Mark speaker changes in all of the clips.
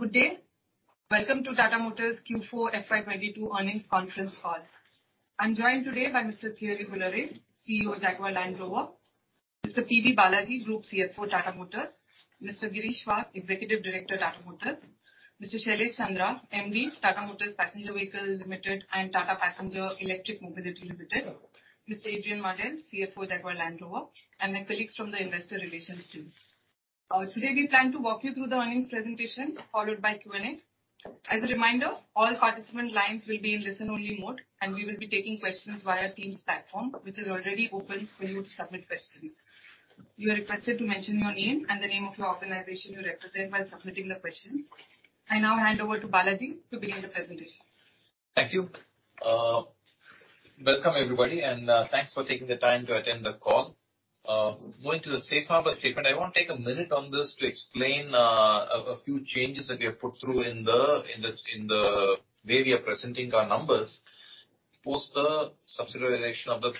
Speaker 1: Good day. Welcome to Tata Motors Q4 FY 2022 Earnings Conference Call. I'm joined today by Mr. Thierry Bolloré, CEO Jaguar Land Rover, Mr. P.B. Balaji, Group CFO, Tata Motors, Mr. Girish Wagh, Executive Director, Tata Motors, Mr. Shailesh Chandra, MD, Tata Motors Passenger Vehicle Limited and Tata Passenger Electric Mobility Limited, Mr. Adrian Mardell, CFO, Jaguar Land Rover, and then colleagues from the investor relations team. Today, we plan to walk you through the earnings presentation followed by Q&A. As a reminder, all participant lines will be in listen-only mode, and we will be taking questions via Teams platform, which is already open for you to submit questions. You are requested to mention your name and the name of your organization you represent by submitting the questions. I now hand over to Balaji to begin the presentation.
Speaker 2: Thank you. Welcome everybody, and thanks for taking the time to attend the call. Going to the safe harbor statement, I want to take a minute on this to explain a few changes that we have put through in the way we are presenting our numbers, post the subsidiarization of the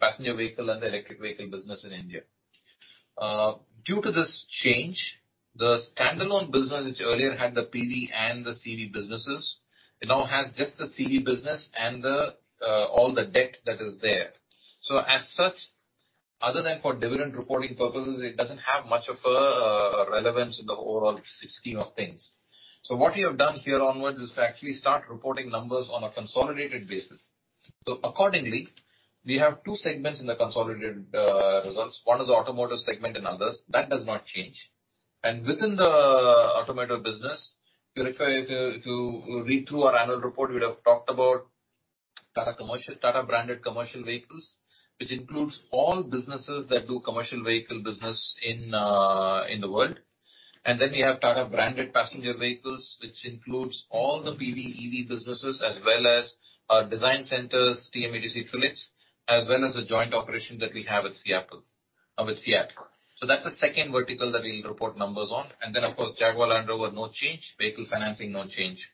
Speaker 2: passenger vehicle and the electric vehicle business in India. Due to this change, the standalone business which earlier had the PV and the CV businesses, it now has just the CV business and all the debt that is there. As such, other than for dividend reporting purposes, it doesn't have much of a relevance in the overall scheme of things. What we have done here onwards is to actually start reporting numbers on a consolidated basis. Accordingly, we have two segments in the consolidated results. One is the automotive segment and others. That does not change. Within the automotive business, if you read through our annual report, we'd have talked about Tata-branded commercial vehicles, which includes all businesses that do commercial vehicle business in the world. We have Tata-branded passenger vehicles, which includes all the PVEV businesses as well as our design centers, TMADC Pune, as well as the joint operation that we have with Ranjangaon with Fiat. That's the second vertical that we'll report numbers on. Of course, Jaguar Land Rover, no change. Vehicle financing, no change.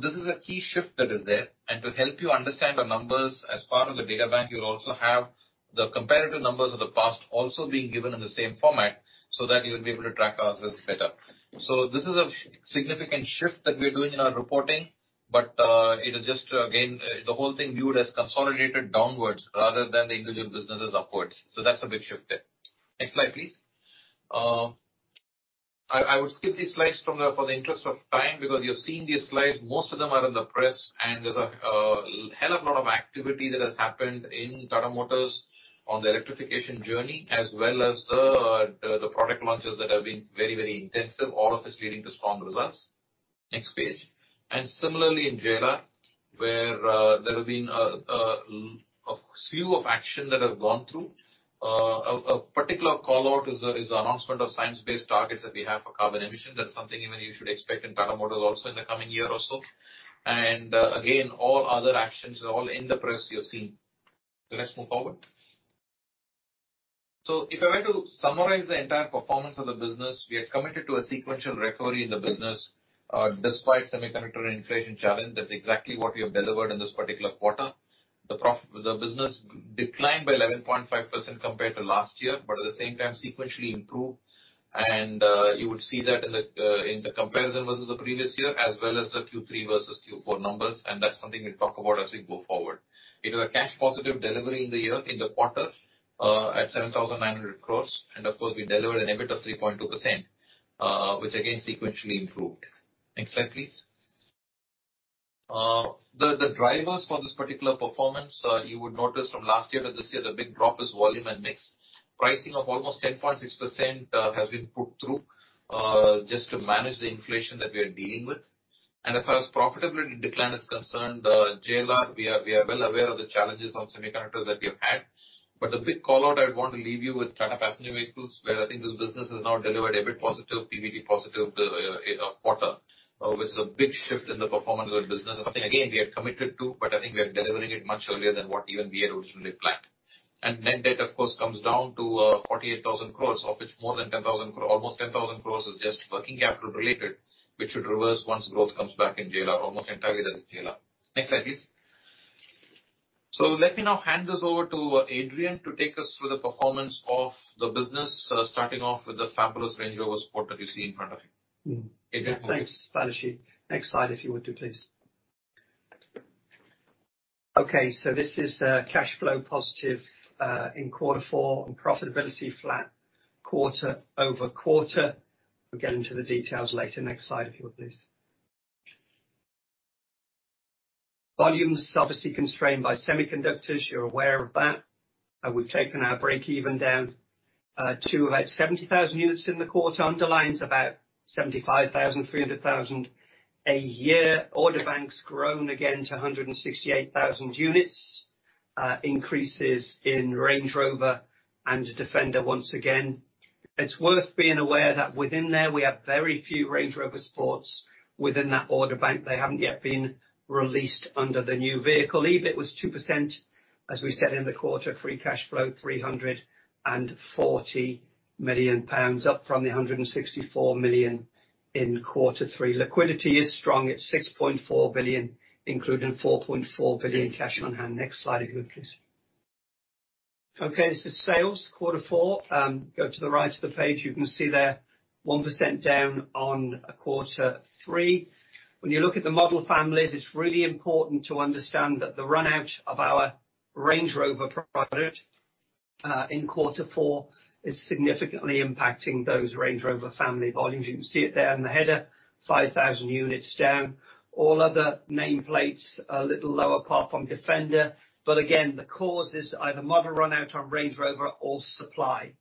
Speaker 2: This is a key shift that is there. To help you understand the numbers as part of the data bank, you'll also have the comparative numbers of the past also being given in the same format so that you'll be able to track ourselves better. This is a significant shift that we are doing in our reporting, but it is just to, again, the whole thing viewed as consolidated downwards rather than the individual businesses upwards. That's a big shift there. Next slide, please. I would skip these slides for the interest of time, because you've seen these slides. Most of them are in the press, and there's a hell of a lot of activity that has happened in Tata Motors on the electrification journey, as well as the product launches that have been very, very intensive, all of this leading to strong results. Next page. Similarly in JLR, where there have been a slew of actions that have gone through. A particular call-out is the announcement of science-based targets that we have for carbon emissions. That's something even you should expect in Tata Motors also in the coming year or so. Again, all other actions are all in the press you're seeing. Let's move forward. If I were to summarize the entire performance of the business, we are committed to a sequential recovery in the business, despite semiconductor and inflation challenges. That's exactly what we have delivered in this particular quarter. The business declined by 11.5% compared to last year, but at the same time, sequentially improved. You would see that in the comparison versus the previous year as well as the Q3 versus Q4 numbers, and that's something we'll talk about as we go forward. We have a cash positive delivery in the year, in the quarter, at 7,900 crores, and of course, we delivered an EBIT of 3.2%, which again sequentially improved. Next slide, please. The drivers for this particular performance, you would notice from last year to this year, the big drop is volume and mix. Pricing of almost 10.6% has been put through, just to manage the inflation that we are dealing with. As far as profitability decline is concerned, JLR, we are well aware of the challenges on semiconductors that we have had. The big call-out I'd want to leave you with Tata Passenger Vehicles, where I think this business has now delivered EBIT positive, PBT positive, quarter, which is a big shift in the performance of the business. Something again, we are committed to, but I think we are delivering it much earlier than what even we had originally planned. Net debt of course comes down to 48,000 crore, of which more than 10,000 crore—almost 10,000 crore—is just working capital related, which should reverse once growth comes back in JLR. Almost entirely that is JLR. Next slide, please. Let me now hand this over to Adrian to take us through the performance of the business, starting off with the fabulous Range Rover Sport that you see in front of you. Adrian, over to you.
Speaker 3: Thanks, Balaji. Next slide, if you would, please. Okay. This is cash flow positive in quarter four and profitability flat quarter-over-quarter. We'll get into the details later. Next slide, if you would, please. Volumes obviously constrained by semiconductors. You're aware of that. We've taken our break-even down to about 70,000 units in the quarter. Underlies about 75,000, 300,000 a year. Order banks grown again to 168,000 units. Increases in Range Rover and Defender once again. It's worth being aware that within there, we have very few Range Rover Sport within that order bank. They haven't yet been released under the new vehicle. EBIT was 2%, as we said in the quarter. Free cash flow, 340 million pounds, up from the 164 million in quarter three. Liquidity is strong. It's 6.4 billion, including 4.4 billion cash on hand. Next slide, if you would, please. Okay, this is sales quarter four. Go to the right of the page, you can see there 1% down on quarter three. When you look at the model families, it's really important to understand that the run out of our Range Rover product in quarter four is significantly impacting those Range Rover family volumes. You can see it there in the header, 5,000 units down. All other nameplates are a little lower, apart from Defender. Again, the cause is either model run out on Range Rover or supply.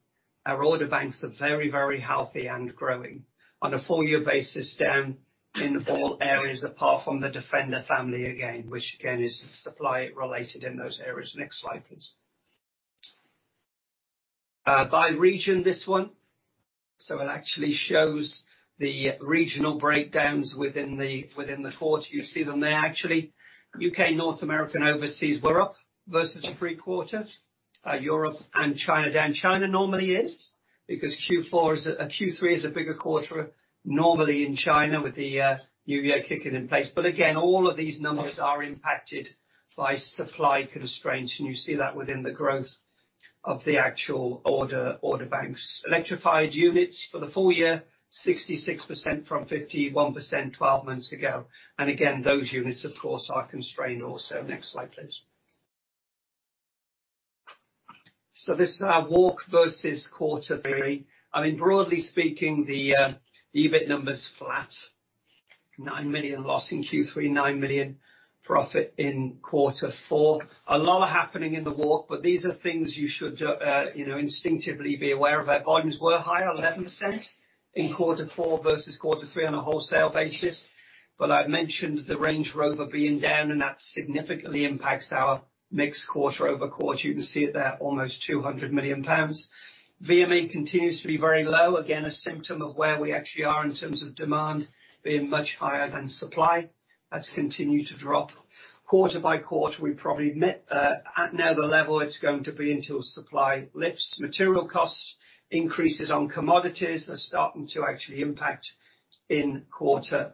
Speaker 3: Our order banks are very, very healthy and growing. On a full year basis, down in all areas apart from the Defender family again, which again, is supply related in those areas. Next slide, please. By region, this one. It actually shows the regional breakdowns within the quarter. You see them there. Actually, UK, North America, Overseas were up versus the third quarter. Europe and China down. China normally is, because Q4 is a Q3 is a bigger quarter normally in China with the new year kicking in place. But again, all of these numbers are impacted by supply constraints, and you see that within the growth of the actual order banks. Electrified units for the full year, 66% from 51% 12 months ago. And again, those units, of course, are constrained also. Next slide, please. This is our walk versus quarter three. I mean, broadly speaking, the EBIT number's flat. 9 million loss in Q3, 9 million profit in quarter four. A lot happening in the walk, but these are things you should, you know, instinctively be aware of. Our volumes were higher, 11% in quarter four versus quarter three on a wholesale basis. I mentioned the Range Rover being down, and that significantly impacts our mix quarter-over-quarter. You can see it there, almost 200 million pounds. VMA continues to be very low, again, a symptom of where we actually are in terms of demand being much higher than supply. That's continued to drop. Quarter by quarter, we probably met at near the level it's going to be until supply lifts. Material costs, increases on commodities are starting to actually impact in quarter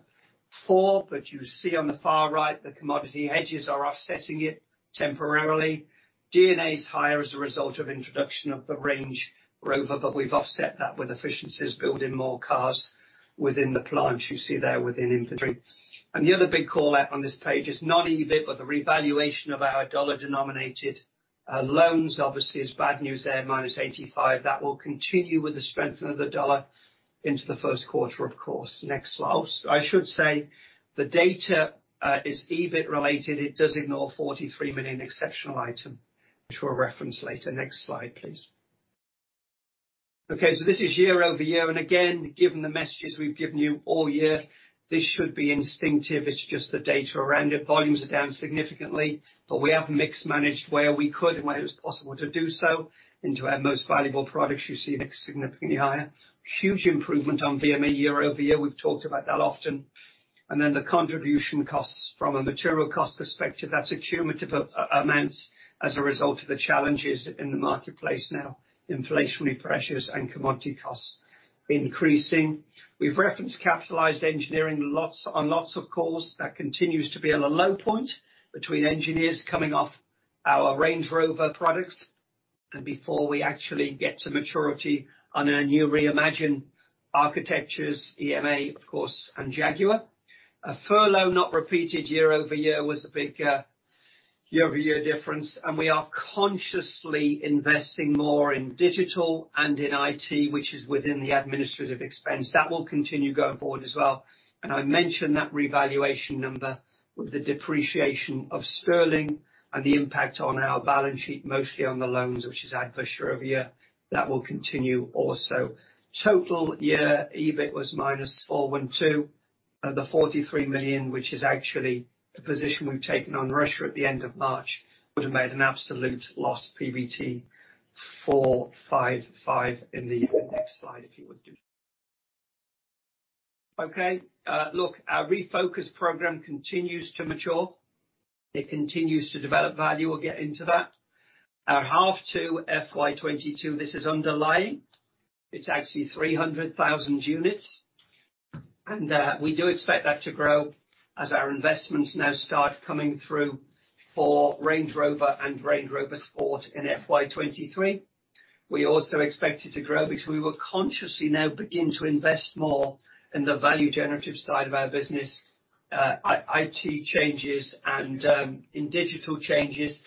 Speaker 3: four, you see on the far right, the commodity hedges are offsetting it temporarily. D&A is higher as a result of introduction of the Range Rover, but we've offset that with efficiencies, building more cars within the plants you see there within inventory. The other big call-out on this page is non-EBIT, but the revaluation of our dollar-denominated loans obviously is bad news there, -$85. That will continue with the strengthening of the dollar into the first quarter, of course. Next slide. I should say the data is EBIT related. It does ignore a 43 million exceptional item for a reference later. Next slide, please. Okay, so this is year-over-year. Again, given the messages we've given you all year, this should be instinctive. It's just the data around it. Volumes are down significantly, but we have mix managed where we could and where it was possible to do so into our most valuable products. You see mix significantly higher. Huge improvement on VME year-over-year. We've talked about that often. The contribution costs from a material cost perspective, that's accumulative amounts as a result of the challenges in the marketplace now. Inflationary pressures and commodity costs increasing. We've referenced capitalized engineering lots on lots of calls. That continues to be at a low point between engineers coming off our Range Rover products and before we actually get to maturity on our new reimagined architectures, EMA, of course, and Jaguar. Furlough not repeated year-over-year was a big year-over-year difference. We are consciously investing more in digital and in IT, which is within the administrative expense. That will continue going forward as well. I mentioned that revaluation number with the depreciation of sterling and the impact on our balance sheet, mostly on the loans, which is adverse year-over-year. That will continue also. Total year EBIT was -412. The 43 million, which is actually the position we've taken on Russia at the end of March, would have made an absolute loss PBT 455 in the. Next slide, if you would. Okay, look, our Refocus program continues to mature. It continues to develop value. We'll get into that. Our H2 FY 2022, this is underlying. It's actually 300,000 units. We do expect that to grow as our investments now start coming through for Range Rover and Range Rover Sport in FY 2023. We also expect it to grow because we will consciously now begin to invest more in the value generative side of our business, IT changes and in digital changes.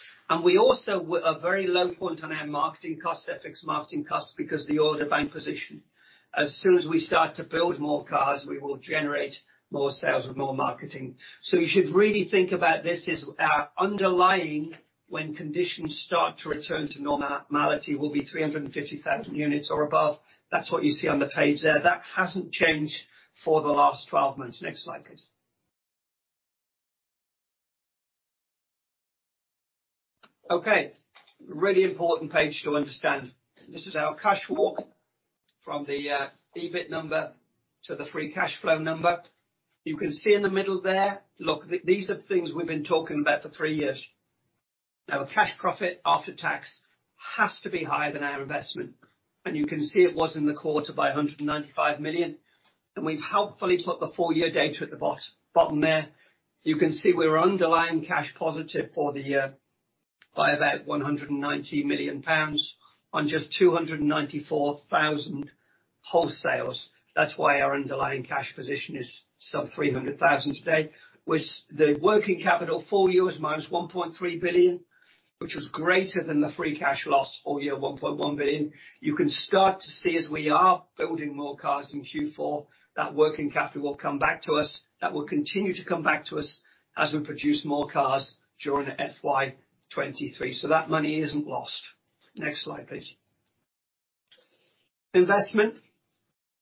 Speaker 3: We also are very low point on our marketing costs, ex-this marketing costs, because the order bank position. As soon as we start to build more cars, we will generate more sales with more marketing. You should really think about this as our underlying, when conditions start to return to normality, will be 350,000 units or above. That's what you see on the page there. That hasn't changed for the last 12 months. Next slide, please. Okay, really important page to understand. This is our cash walk from the EBIT number to the free cash flow number. You can see in the middle there, look, these are things we've been talking about for three years now. Cash profit after tax has to be higher than our investment. You can see it was in the quarter by 195 million. We've helpfully put the full year data at the bottom there. You can see we were underlying cash positive for the year by about 190 million pounds on just 294,000 wholesales. That's why our underlying cash position is sub 300,000 today. With the working capital, full year was minus 1.3 billion, which was greater than the free cash loss full year, 1.1 billion. You can start to see as we are building more cars in Q4, that working capital will come back to us. That will continue to come back to us as we produce more cars during FY 2023. That money isn't lost. Next slide, please. Investment.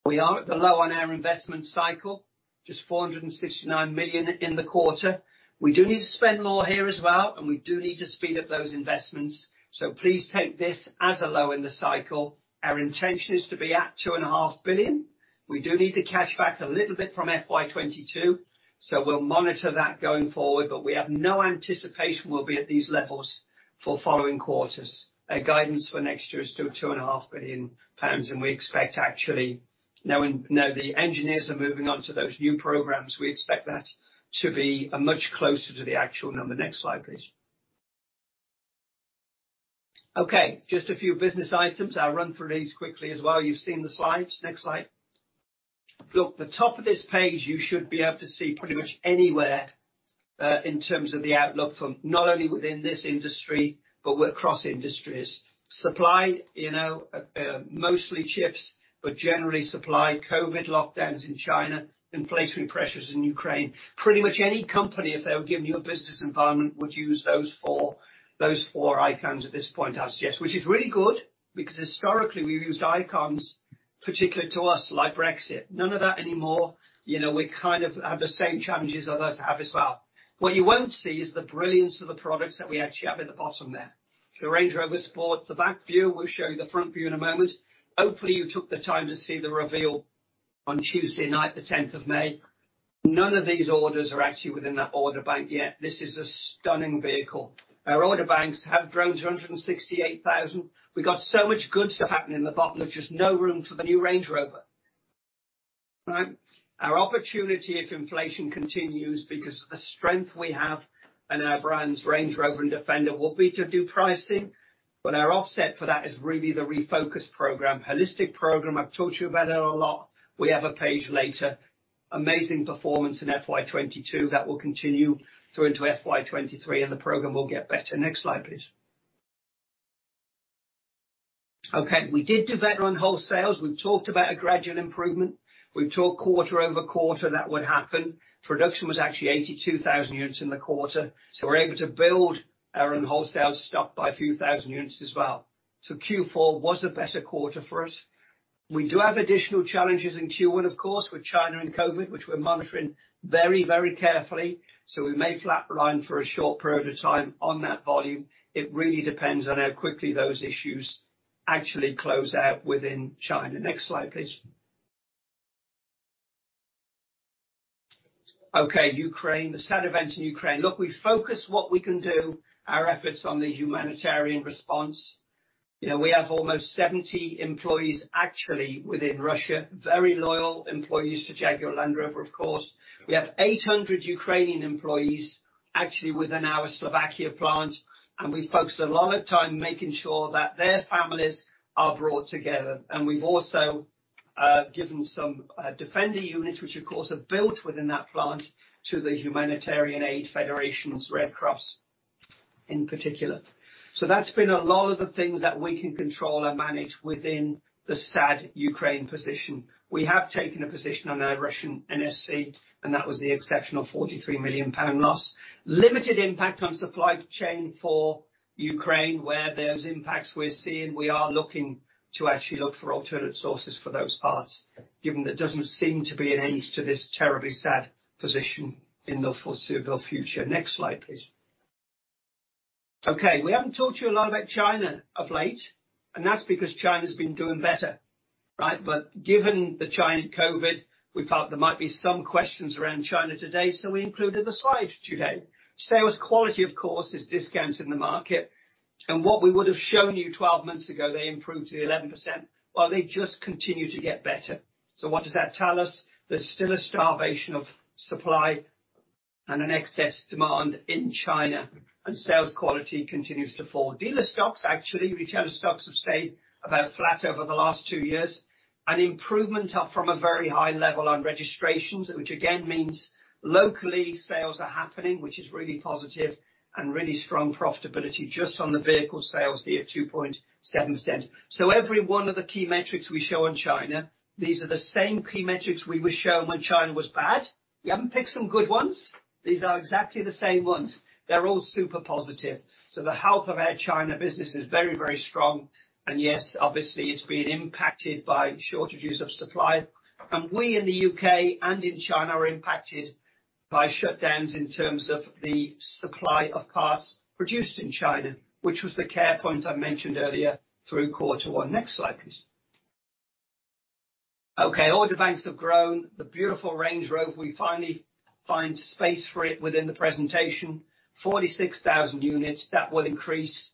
Speaker 3: We are at the low on our investment cycle, just 469 million in the quarter. We do need to spend more here as well, and we do need to speed up those investments. Please take this as a low in the cycle. Our intention is to be at 2.5 billion. We do need to cash back a little bit from FY 2022, so we'll monitor that going forward. We have no anticipation we'll be at these levels for following quarters. Our guidance for next year is still 2.5 billion pounds, and we expect actually, now the engineers are moving on to those new programs, we expect that to be much closer to the actual number. Next slide, please. Okay, just a few business items. I'll run through these quickly as well. You've seen the slides. Next slide. Look, the top of this page, you should be able to see pretty much anywhere in terms of the outlook from not only within this industry, but across industries. Supply, you know, mostly chips, but generally supply, COVID lockdowns in China, inflationary pressures in Ukraine. Pretty much any company, if they were giving you a business environment, would use those four icons at this point, I suggest. Which is really good, because historically, we've used icons particular to us, like Brexit. None of that anymore. You know, we kind of have the same challenges others have as well. What you won't see is the brilliance of the products that we actually have at the bottom there. The Range Rover Sport, the back view, we'll show you the front view in a moment. Hopefully, you took the time to see the reveal on Tuesday night, the tenth of May. None of these orders are actually within that order bank yet. This is a stunning vehicle. Our order banks have grown to 168,000. We got so much good stuff happening in the bottom, there's just no room for the new Range Rover. Right? Our opportunity, if inflation continues, because of the strength we have in our brands, Range Rover and Defender, will be to do pricing, but our offset for that is really the Refocus program, holistic program. I've told you about it a lot. We have a page later. Amazing performance in FY 2022. That will continue through into FY 2023, and the program will get better. Next slide, please. Okay, we did do better on wholesales. We've talked about a gradual improvement. We've talked quarter-over-quarter that would happen. Production was actually 82,000 units in the quarter, so we're able to build our own wholesale stock by a few thousand units as well. So Q4 was a better quarter for us. We do have additional challenges in Q1, of course, with China and COVID, which we're monitoring very, very carefully. We may flatline for a short period of time on that volume. It really depends on how quickly those issues actually close out within China. Next slide, please. Okay, Ukraine. The sad events in Ukraine. Look, we focus what we can do, our efforts on the humanitarian response. You know, we have almost 70 employees actually within Russia, very loyal employees to Jaguar Land Rover, of course. We have 800 Ukrainian employees actually within our Slovakia plant, and we focus a lot of time making sure that their families are brought together. We've also given some Defender units, which of course are built within that plant, to the International Federation of Red Cross and Red Crescent Societies Red Cross in particular. That's been a lot of the things that we can control and manage within the sad Ukraine position. We have taken a position on our Russian NSC, and that was the exceptional 43 million pound loss. Limited impact on supply chain for Ukraine. Where there's impacts we're seeing, we are looking to actually look for alternate sources for those parts, given there doesn't seem to be an end to this terribly sad position in the foreseeable future. Next slide, please. Okay, we haven't talked to you a lot about China of late, and that's because China's been doing better, right? Given the China COVID, we felt there might be some questions around China today, so we included a slide today. Sales quality, of course, is discounted in the market. What we would have shown you 12 months ago, they improved to 11%, while they just continue to get better. What does that tell us? There's still a starvation of supply and an excess demand in China and inventory continues to fall. Dealer stocks, actually, retailer stocks have stayed about flat over the last two years. An improvement up from a very high level on registrations, which again means local sales are happening, which is really positive and really strong profitability just on the vehicle sales here at 2.7%. Every one of the key metrics we show on China, these are the same key metrics we were showing when China was bad. We haven't picked some good ones. These are exactly the same ones. They're all super positive. The health of our China business is very, very strong. Yes, obviously, it's been impacted by shortages of supply. We in the U.K. and in China are impacted by shutdowns in terms of the supply of cars produced in China, which was the key point I mentioned earlier through quarter one. Next slide, please. Okay, order bank has grown. The beautiful Range Rover, we finally find space for it within the presentation. 46,000 units, that will increase.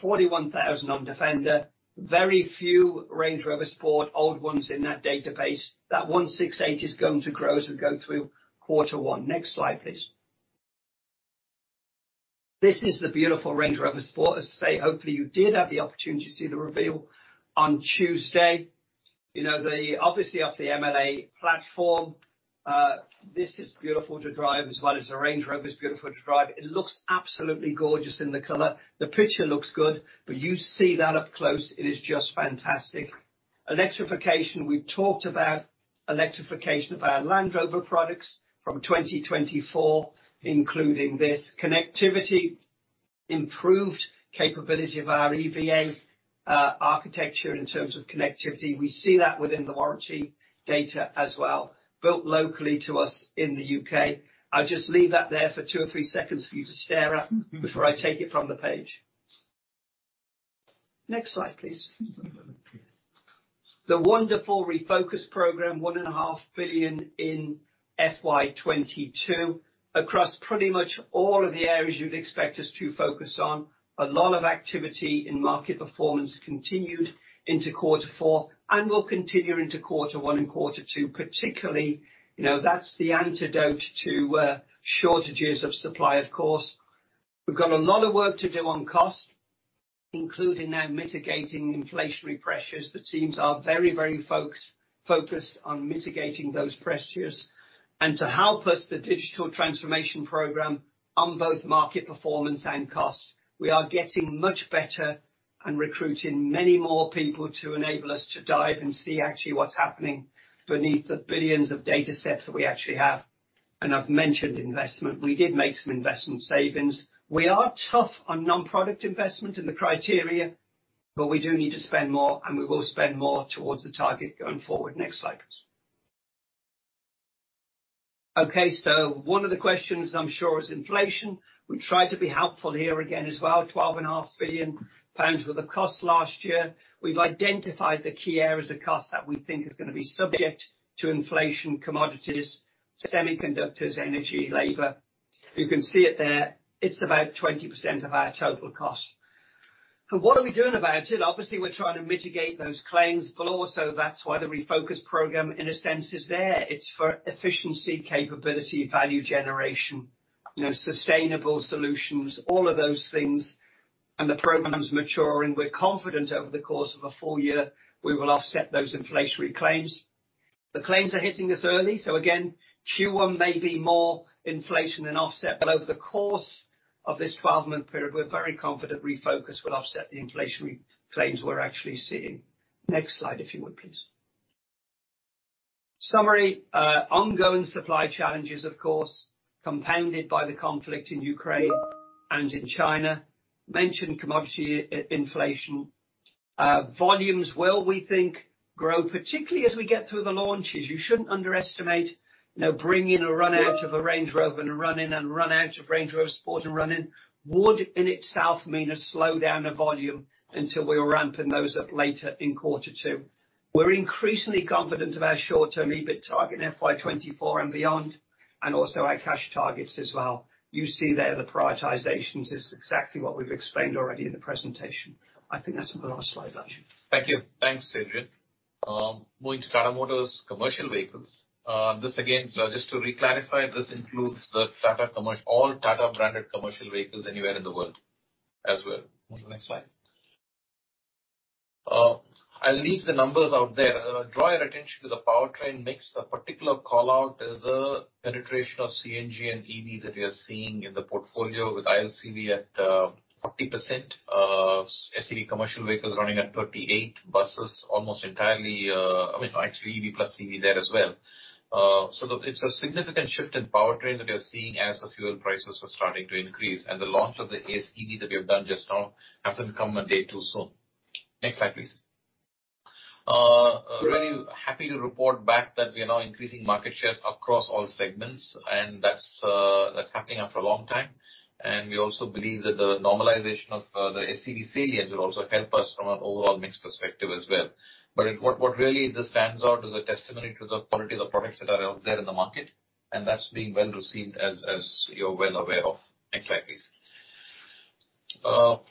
Speaker 3: 41,000 on Defender. Very few Range Rover Sport old ones in that database. That 168 is going to grow as we go through quarter one. Next slide, please. This is the beautiful Range Rover Sport. As I say, hopefully, you did have the opportunity to see the reveal on Tuesday. You know, obviously, off the MLA platform. This is beautiful to drive as well as the Range Rover is beautiful to drive. It looks absolutely gorgeous in the color. The picture looks good, but you see that up close, it is just fantastic. Electrification, we've talked about electrification of our Land Rover products from 2024, including this connectivity, improved capability of our EVA architecture in terms of connectivity. We see that within the warranty data as well. Built locally to us in the U.K. I'll just leave that there for two or three seconds for you to stare at before I take it from the page. Next slide, please. The wonderful Refocus program, one and a half billion in FY 2022, across pretty much all of the areas you'd expect us to focus on. A lot of activity in market performance continued into quarter four and will continue into quarter one and quarter two, particularly. You know, that's the antidote to shortages of supply, of course. We've got a lot of work to do on cost, including now mitigating inflationary pressures. The teams are very focused on mitigating those pressures. To help us, the digital transformation program on both market performance and cost, we are getting much better and recruiting many more people to enable us to dive and see actually what's happening beneath the billions of datasets that we actually have. I've mentioned investment. We did make some investment savings. We are tough on non-product investment in the criteria, but we do need to spend more and we will spend more towards the target going forward. Next slide, please. Okay, one of the questions I'm sure is inflation. We try to be helpful here again as well. 12.5 billion pounds worth of cost last year. We've identified the key areas of cost that we think is gonna be subject to inflation, commodities, semiconductors, energy, labor. You can see it there. It's about 20% of our total cost. What are we doing about it? Obviously, we're trying to mitigate those claims, but also that's why the Refocus program, in a sense, is there. It's for efficiency, capability, value generation, you know, sustainable solutions, all of those things. The program's maturing. We're confident over the course of a full year, we will offset those inflationary claims. The claims are hitting us early, so again, Q1 may be more inflation than offset. Over the course of this twelve-month period, we're very confident Refocus will offset the inflationary claims we're actually seeing. Next slide, if you would, please. Summary. Ongoing supply challenges, of course, compounded by the conflict in Ukraine and in China. Commodity inflation. Volumes, well, we think grow, particularly as we get through the launches. You shouldn't underestimate, you know, bringing out a Range Rover and running out of Range Rover Sport and running in, would in itself mean a slowdown of volume until we were ramping those up later in quarter two. We're increasingly confident of our short-term EBIT target in FY 2024 and beyond, and also our cash targets as well. You see there the prioritizations is exactly what we've explained already in the presentation. I think that's the last slide, actually.
Speaker 2: Thank you. Thanks, Adrian. Moving to Tata Motors Commercial Vehicles. This again, just to reclassify, this includes all Tata-branded commercial vehicles anywhere in the world as well. Move to next slide. I'll leave the numbers out there. Draw your attention to the powertrain mix. The particular call-out is the penetration of CNG and EV that we are seeing in the portfolio with ILCV at 40%, SCV commercial vehicles running at 38%, buses almost entirely. I mean, actually EV plus CNG there as well. It's a significant shift in powertrain that we are seeing as the fuel prices are starting to increase. The launch of the Ace EV that we have done just now hasn't come a day too soon. Next slide, please. Really happy to report back that we are now increasing market shares across all segments, and that's happening after a long time. We also believe that the normalization of the SCV sales will also help us from an overall mix perspective as well. What really just stands out is a testimony to the quality of the products that are out there in the market, and that's being well received as you're well aware of. Next slide, please.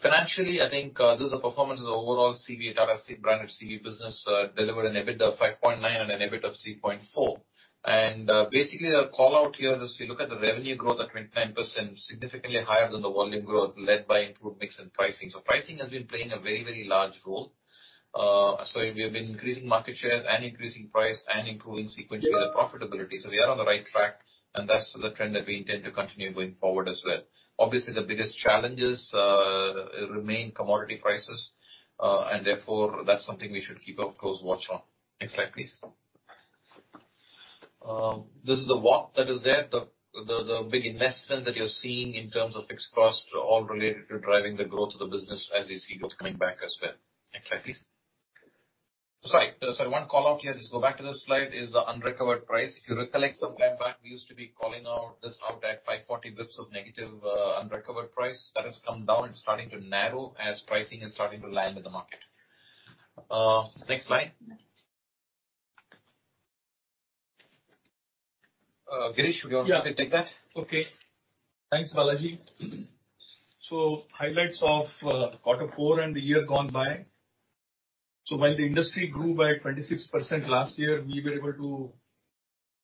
Speaker 2: Financially, I think this is the performance of the overall CV, Tata branded CV business, delivered an EBITDA of 5.9% on an EBIT of 3.4%. Basically, our call-out here is we look at the revenue growth at 29%, significantly higher than the volume growth led by improved mix and pricing. Pricing has been playing a very, very large role. We have been increasing market shares and increasing price and improving sequentially the profitability. We are on the right track, and that's the trend that we intend to continue going forward as well. Obviously, the biggest challenges remain commodity prices, and therefore that's something we should keep a close watch on. Next slide, please. This is the walk that is there. The big investment that you're seeing in terms of fixed costs are all related to driving the growth of the business as we see it coming back as well. Next slide, please. Sorry, one call-out here. Just go back to the slide, is the unrecovered price. If you recollect some time back, we used to be calling this out at 540 basis points of negative unrecovered price. That has come down. It's starting to narrow as pricing is starting to land in the market. Next slide. Girish, would you want to take that?
Speaker 4: Okay. Thanks, Balaji.
Speaker 2: Mm-hmm.
Speaker 4: Highlights of quarter four and the year gone by. While the industry grew by 26% last year, we were able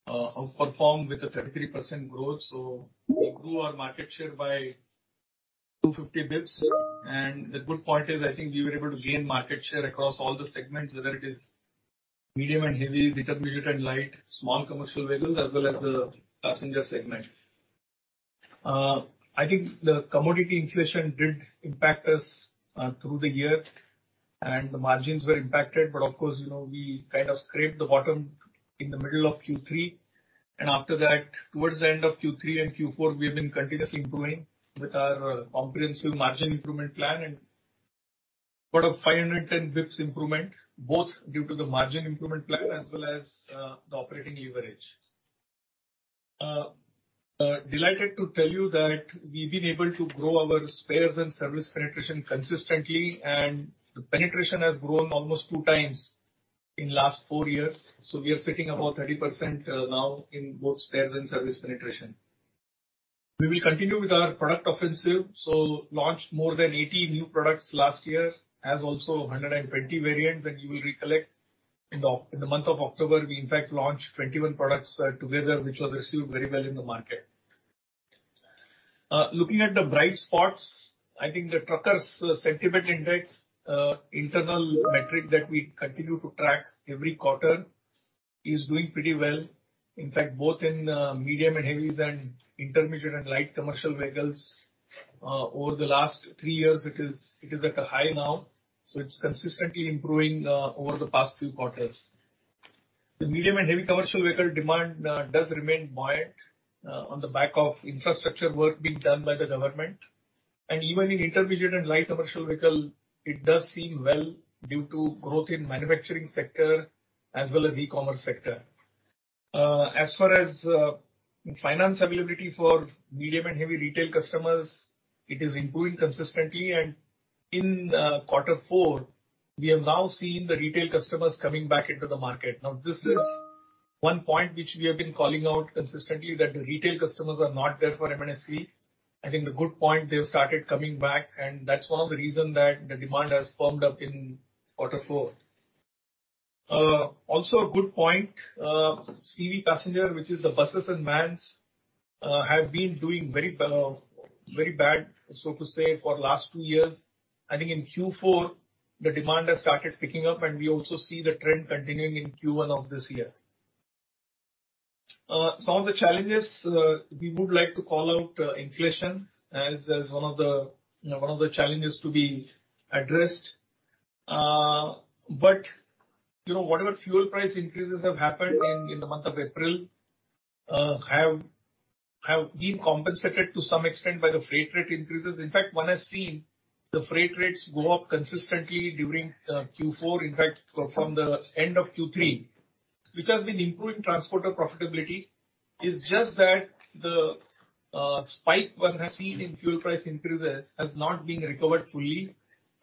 Speaker 4: to outperform with a 33% growth. We grew our market share by 250 bps. The good point is, I think we were able to gain market share across all the segments, whether it is medium and heavy, intermediate and light, small commercial vehicles, as well as the passenger segment. I think the commodity inflation did impact us through the year and the margins were impacted, but of course, you know, we kind of scraped the bottom in the middle of Q3, and after that, towards the end of Q3 and Q4, we have been continuously improving with our comprehensive margin improvement plan. Part of 510 basis points improvement, both due to the margin improvement plan as well as the operating leverage. Delighted to tell you that we've been able to grow our spares and service penetration consistently, and the penetration has grown almost two times in last four years. We are sitting about 30% now in both spares and service penetration. We will continue with our product offensive. Launched more than 80 new products last year, as also 120 variants that you will recollect. In the month of October, we in fact launched 21 products together, which were received very well in the market. Looking at the bright spots, I think the truckers sentiment index, internal metric that we continue to track every quarter is doing pretty well. In fact, both in medium and heavy and intermediate and light commercial vehicles, over the last three years it is at a high now, so it's consistently improving over the past few quarters. The medium and heavy commercial vehicle demand does remain buoyant on the back of infrastructure work being done by the government. Even in intermediate and light commercial vehicle, it does seem well due to growth in manufacturing sector as well as e-commerce sector. As far as finance availability for medium and heavy retail customers, it is improving consistently. In quarter four, we have now seen the retail customers coming back into the market. Now, this is one point which we have been calling out consistently, that the retail customers are not there for MHCV. I think the good point, they have started coming back, and that's one of the reason that the demand has firmed up in quarter four. Also a good point, CV passenger, which is the buses and vans, have been doing very bad, so to say, for last two years. I think in Q4 the demand has started picking up and we also see the trend continuing in Q1 of this year. Some of the challenges, we would like to call out inflation as one of the challenges to be addressed. You know, whatever fuel price increases have happened in the month of April have been compensated to some extent by the freight rate increases. In fact, one has seen the freight rates go up consistently during Q4, in fact, from the end of Q3, which has been improving transporter profitability. It's just that the spike one has seen in fuel price increases has not been recovered fully.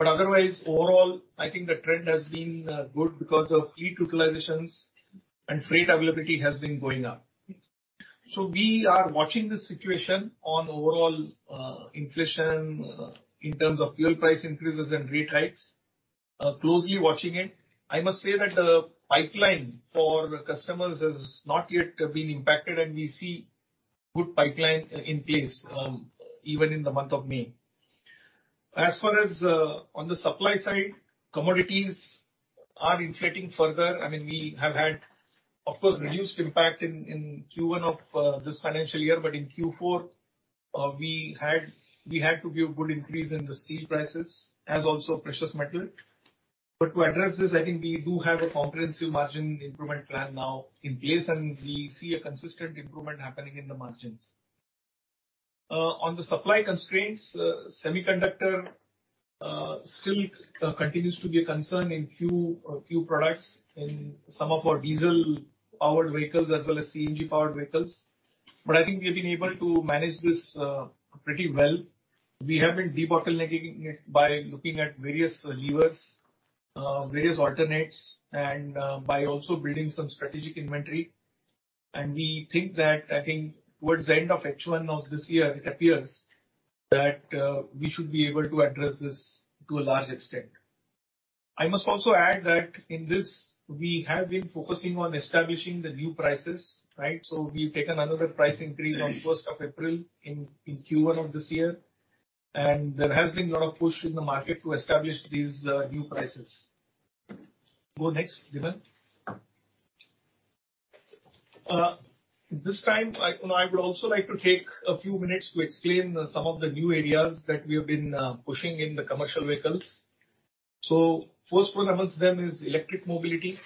Speaker 4: Otherwise, overall, I think the trend has been good because of fleet utilizations and freight availability has been going up. We are watching the situation on overall inflation in terms of fuel price increases and rate hikes. Closely watching it. I must say that the pipeline for customers has not yet been impacted and we see good pipeline in place, even in the month of May. As far as on the supply side, commodities are inflating further. I mean, we have had, of course, reduced impact in Q1 of this financial year. In Q4, we had to give good increase in the steel prices as also precious metal. To address this, I think we do have a comprehensive margin improvement plan now in place, and we see a consistent improvement happening in the margins. On the supply constraints, semiconductors still continues to be a concern in few products in some of our diesel-powered vehicles as well as CNG-powered vehicles. I think we have been able to manage this pretty well. We have been debottlenecking it by looking at various levers, various alternatives, and by also building some strategic inventory. We think that, I think, towards the end of H1 of this year, it appears that we should be able to address this to a large extent. I must also add that in this we have been focusing on establishing the new prices, right? We've taken another price increase on first of April in Q1 of this year, and there has been a lot of push in the market to establish these new prices. Go next, Dhiman. This time I, you know, I would also like to take a few minutes to explain some of the new areas that we have been pushing in the commercial vehicles. First one amongst them is electric mobility.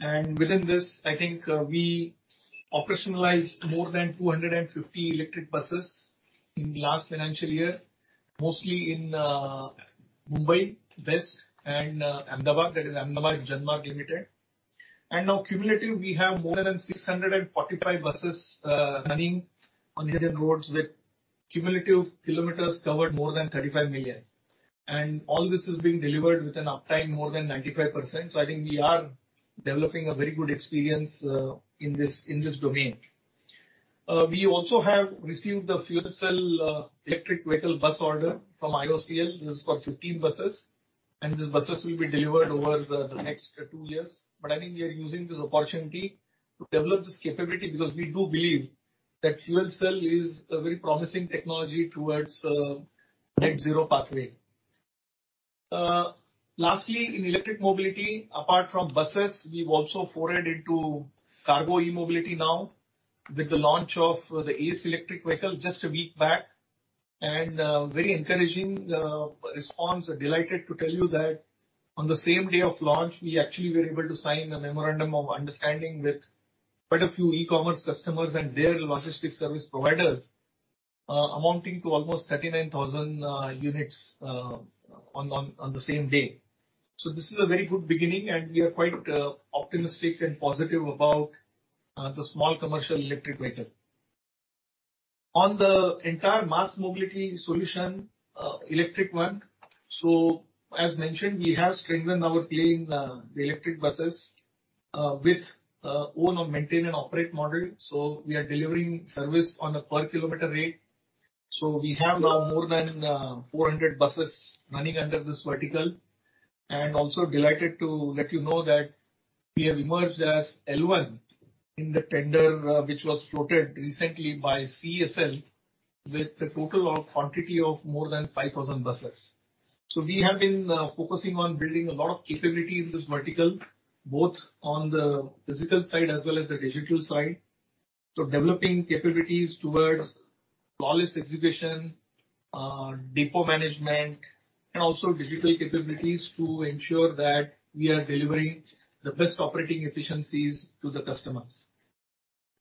Speaker 4: Within this, I think we operationalized more than 250 electric buses in last financial year, mostly in Mumbai West and Ahmedabad, that is Ahmedabad Janmarg Limited. Now cumulative we have more than 645 buses running on Indian roads with cumulative kilometers covered more than 35 million. All this is being delivered with an uptime more than 95%. I think we are developing a very good experience in this domain. We also have received a fuel cell electric vehicle bus order from IOCL. This is for 15 buses, and these buses will be delivered over the next two years. I think we are using this opportunity to develop this capability because we do believe that fuel cell is a very promising technology towards net zero pathway. Lastly, in electric mobility, apart from buses, we've also forayed into cargo e-mobility now with the launch of the Ace electric vehicle just a week back. Very encouraging response. Delighted to tell you that on the same day of launch, we actually were able to sign a memorandum of understanding with quite a few e-commerce customers and their logistics service providers, amounting to almost 39,000 units on the same day. This is a very good beginning, and we are quite optimistic and positive about the small commercial electric vehicle. On the entire mass mobility solution, electric one, as mentioned, we have strengthened our play in the electric buses with own and maintain and operate model. We are delivering service on a per kilometer rate. We have now more than 400 buses running under this vertical. I am also delighted to let you know that we have emerged as L1 in the tender, which was floated recently by CESL with a total quantity of more than 5,000 buses. We have been focusing on building a lot of capability in this vertical, both on the physical side as well as the digital side. Developing capabilities towards flawless execution, depot management, and also digital capabilities to ensure that we are delivering the best operating efficiencies to the customers.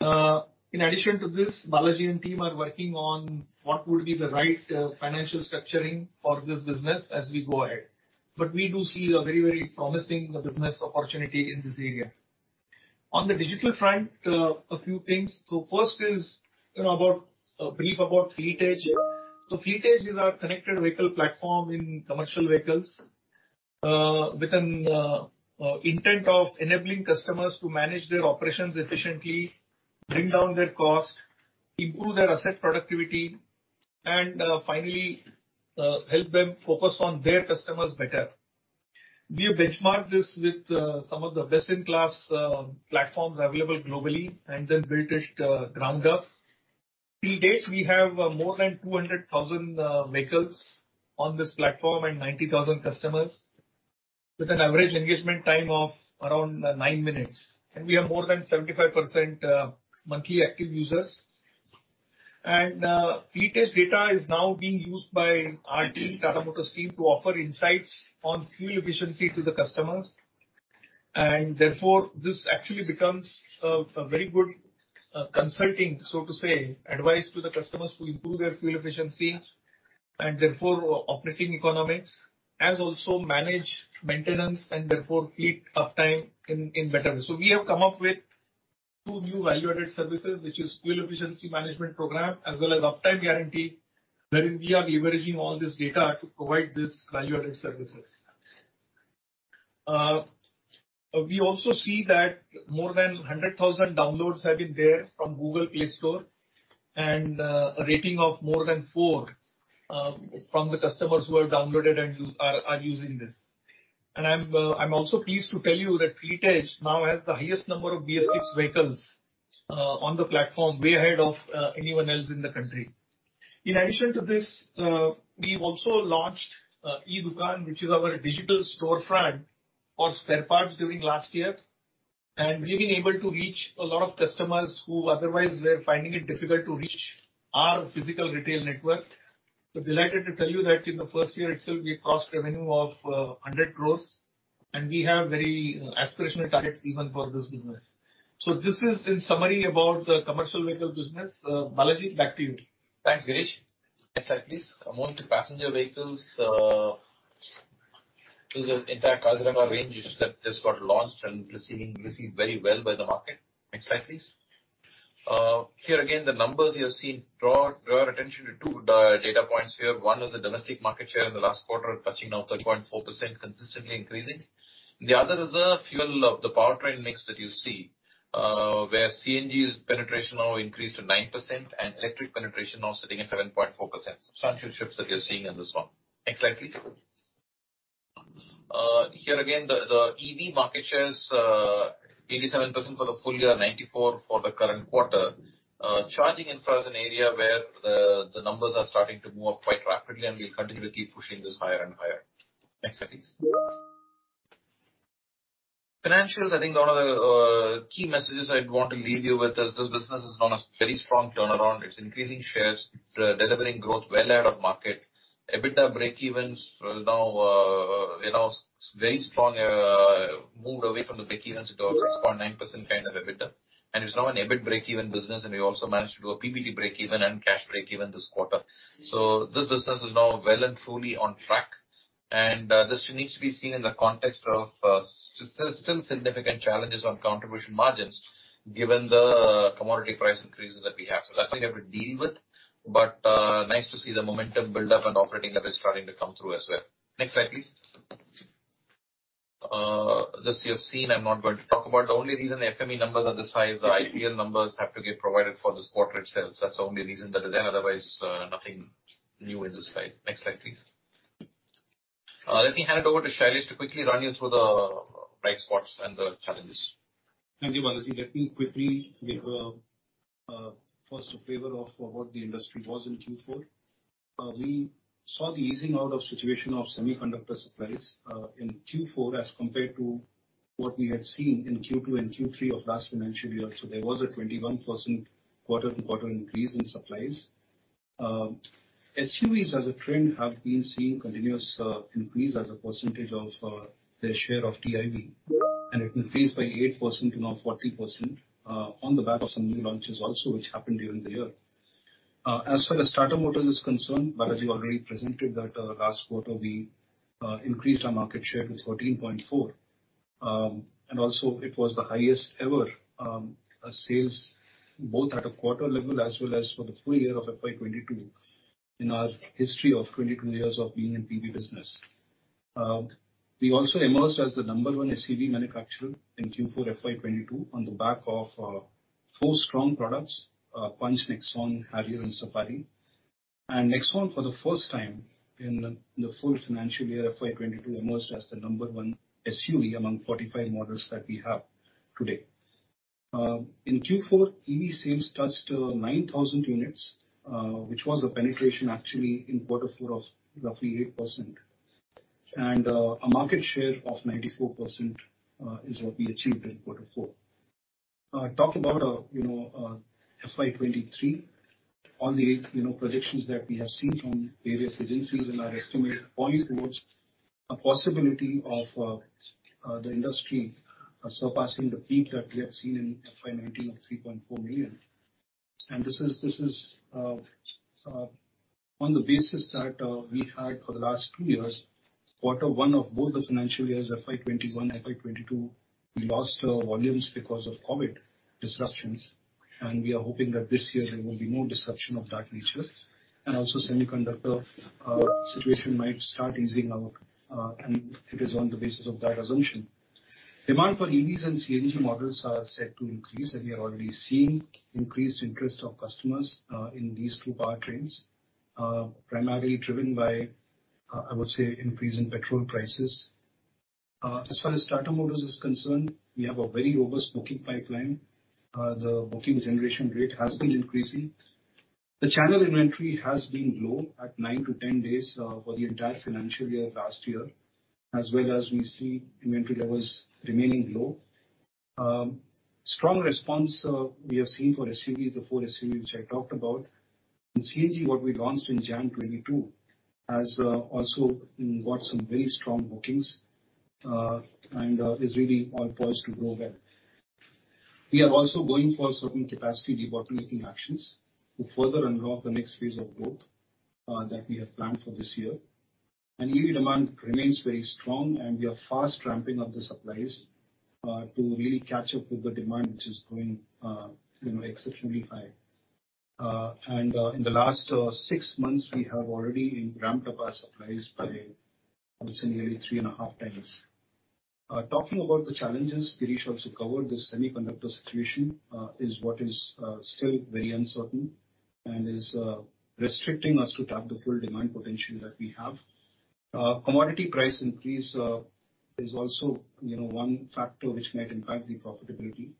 Speaker 4: In addition to this, Balaji and team are working on what would be the right financial structuring for this business as we go ahead. We do see a very, very promising business opportunity in this area. On the digital front, a few things. First is, you know, a brief about Fleet Edge. Fleet Edge is our connected vehicle platform in commercial vehicles, with an intent of enabling customers to manage their operations efficiently, bring down their cost, improve their asset productivity, and finally help them focus on their customers better. We have benchmarked this with some of the best in class platforms available globally and then built it ground up. To date, we have more than 200,000 vehicles on this platform and 90,000 customers with an average engagement time of around nine minutes. We have more than 75% monthly active users. Fleet Edge data is now being used by our team, Tata Motors team, to offer insights on fuel efficiency to the customers. Therefore, this actually becomes a very good consulting, so to say, advice to the customers to improve their fuel efficiency and therefore operating economics, as also manage maintenance and therefore fleet uptime in better way. We have come up with two new value-added services, which is fuel efficiency management program as well as uptime guarantee, wherein we are leveraging all this data to provide this value-added services. We also see that more than 100,000 downloads have been there from Google Play Store and a rating of more than four from the customers who have downloaded and are using this. I'm also pleased to tell you that Fleet Edge now has the highest number of BS6 vehicles on the platform, way ahead of anyone else in the country. In addition to this, we've also launched e-Dukaan, which is our digital storefront for spare parts during last year. We've been able to reach a lot of customers who otherwise were finding it difficult to reach our physical retail network. Delighted to tell you that in the first year itself we crossed revenue of 100 crore, and we have very aspirational targets even for this business. This is in summary about the commercial vehicle business. Balaji, back to you.
Speaker 2: Thanks, Girish. Next slide, please. Among the passenger vehicles, is the entire Kaziranga range that just got launched and receiving very well by the market. Next slide, please. Here again, the numbers you have seen, draw your attention to two data points here. One is the domestic market share in the last quarter, touching now 30.4%, consistently increasing. The other is the fuel and the powertrain mix that you see, where CNG's penetration now increased to 9% and electric penetration now sitting at 7.4%. Substantial shifts that you're seeing in this one. Next slide, please. Here again, the EV market shares, 87% for the full year, 94% for the current quarter. Charging infrastructure area where the numbers are starting to move up quite rapidly and we'll continue to keep pushing this higher and higher. Next slide, please. Financials, I think one of the key messages I'd want to leave you with is this business is on a very strong turnaround. It's increasing shares. It's delivering growth well ahead of market. EBITDA breakevens are now, you know, very strong, moved away from the breakevens to around 6.9% kind of EBITDA. It's now an EBIT breakeven business, and we also managed to do a PBT breakeven and cash breakeven this quarter. This business is now well and truly on track. This needs to be seen in the context of still significant challenges on contribution margins given the commodity price increases that we have. That's something we have to deal with, but nice to see the momentum build up and operating lever starting to come through as well. Next slide, please. This you have seen, I'm not going to talk about. The only reason FME numbers are this high is the IPL numbers have to get provided for this quarter itself. That's the only reason that is there. Otherwise, nothing new in this slide. Next slide, please. Let me hand it over to Shailesh to quickly run you through the bright spots and the challenges.
Speaker 5: Thank you, Balaji. Let me quickly give a first a flavor of what the industry was in Q4. We saw the easing out of situation of semiconductor supplies in Q4 as compared to what we had seen in Q2 and Q3 of last financial year. There was a 21% quarter-to-quarter increase in supplies. SUVs as a trend have been seeing continuous increase as a percentage of their share of TIV, and it increased by 8% to now 14% on the back of some new launches also, which happened during the year. As far as Tata Motors is concerned, Balaji already presented that last quarter we increased our market share to 14.4. Also it was the highest ever sales both at a quarter level as well as for the full year of FY 2022 in our history of 22 years of being in PV business. We also emerged as the number one SUV manufacturer in Q4 FY 2022 on the back of four strong products, Punch, Nexon, Harrier and Safari. Nexon for the first time in the full financial year FY 2022 emerged as the number one SUV among 45 models that we have today. In Q4 EV sales touched 9,000 units, which was a penetration actually in quarter four of roughly 8%. A market share of 94% is what we achieved in quarter four. Talk about, you know, FY 2023 on the, you know, predictions that we have seen from various agencies in our estimate point towards a possibility of the industry surpassing the peak that we have seen in FY 2019 of 3.4 million. This is on the basis that we had for the last two years, quarter one of both the financial years, FY 2021, FY 2022, we lost volumes because of COVID disruptions, and we are hoping that this year there will be no disruption of that nature. Also semiconductor situation might start easing out, and it is on the basis of that assumption. Demand for EVs and CNG models are set to increase, and we are already seeing increased interest of customers in these two powertrains primarily driven by, I would say, increase in petrol prices. As far as Tata Motors is concerned, we have a very robust booking pipeline. The booking generation rate has been increasing. The channel inventory has been low at 9-10 days for the entire financial year of last year, as well as we see inventory levels remaining low. Strong response we have seen for SUVs, the four SUV which I talked about. In CNG, what we launched in January 2022 has also got some very strong bookings and is really all poised to grow well. We are also going for certain capacity debottlenecking actions to further unlock the next phase of growth, that we have planned for this year. EV demand remains very strong and we are fast ramping up the supplies, to really catch up with the demand which is going, you know, exceptionally high. In the last six months, we have already ramped up our supplies by, I would say, nearly three and a half times. Talking about the challenges, Girish also covered the semiconductor situation, is what is still very uncertain and is restricting us to tap the full demand potential that we have. Commodity price increase is also, you know, one factor which might impact the profitability.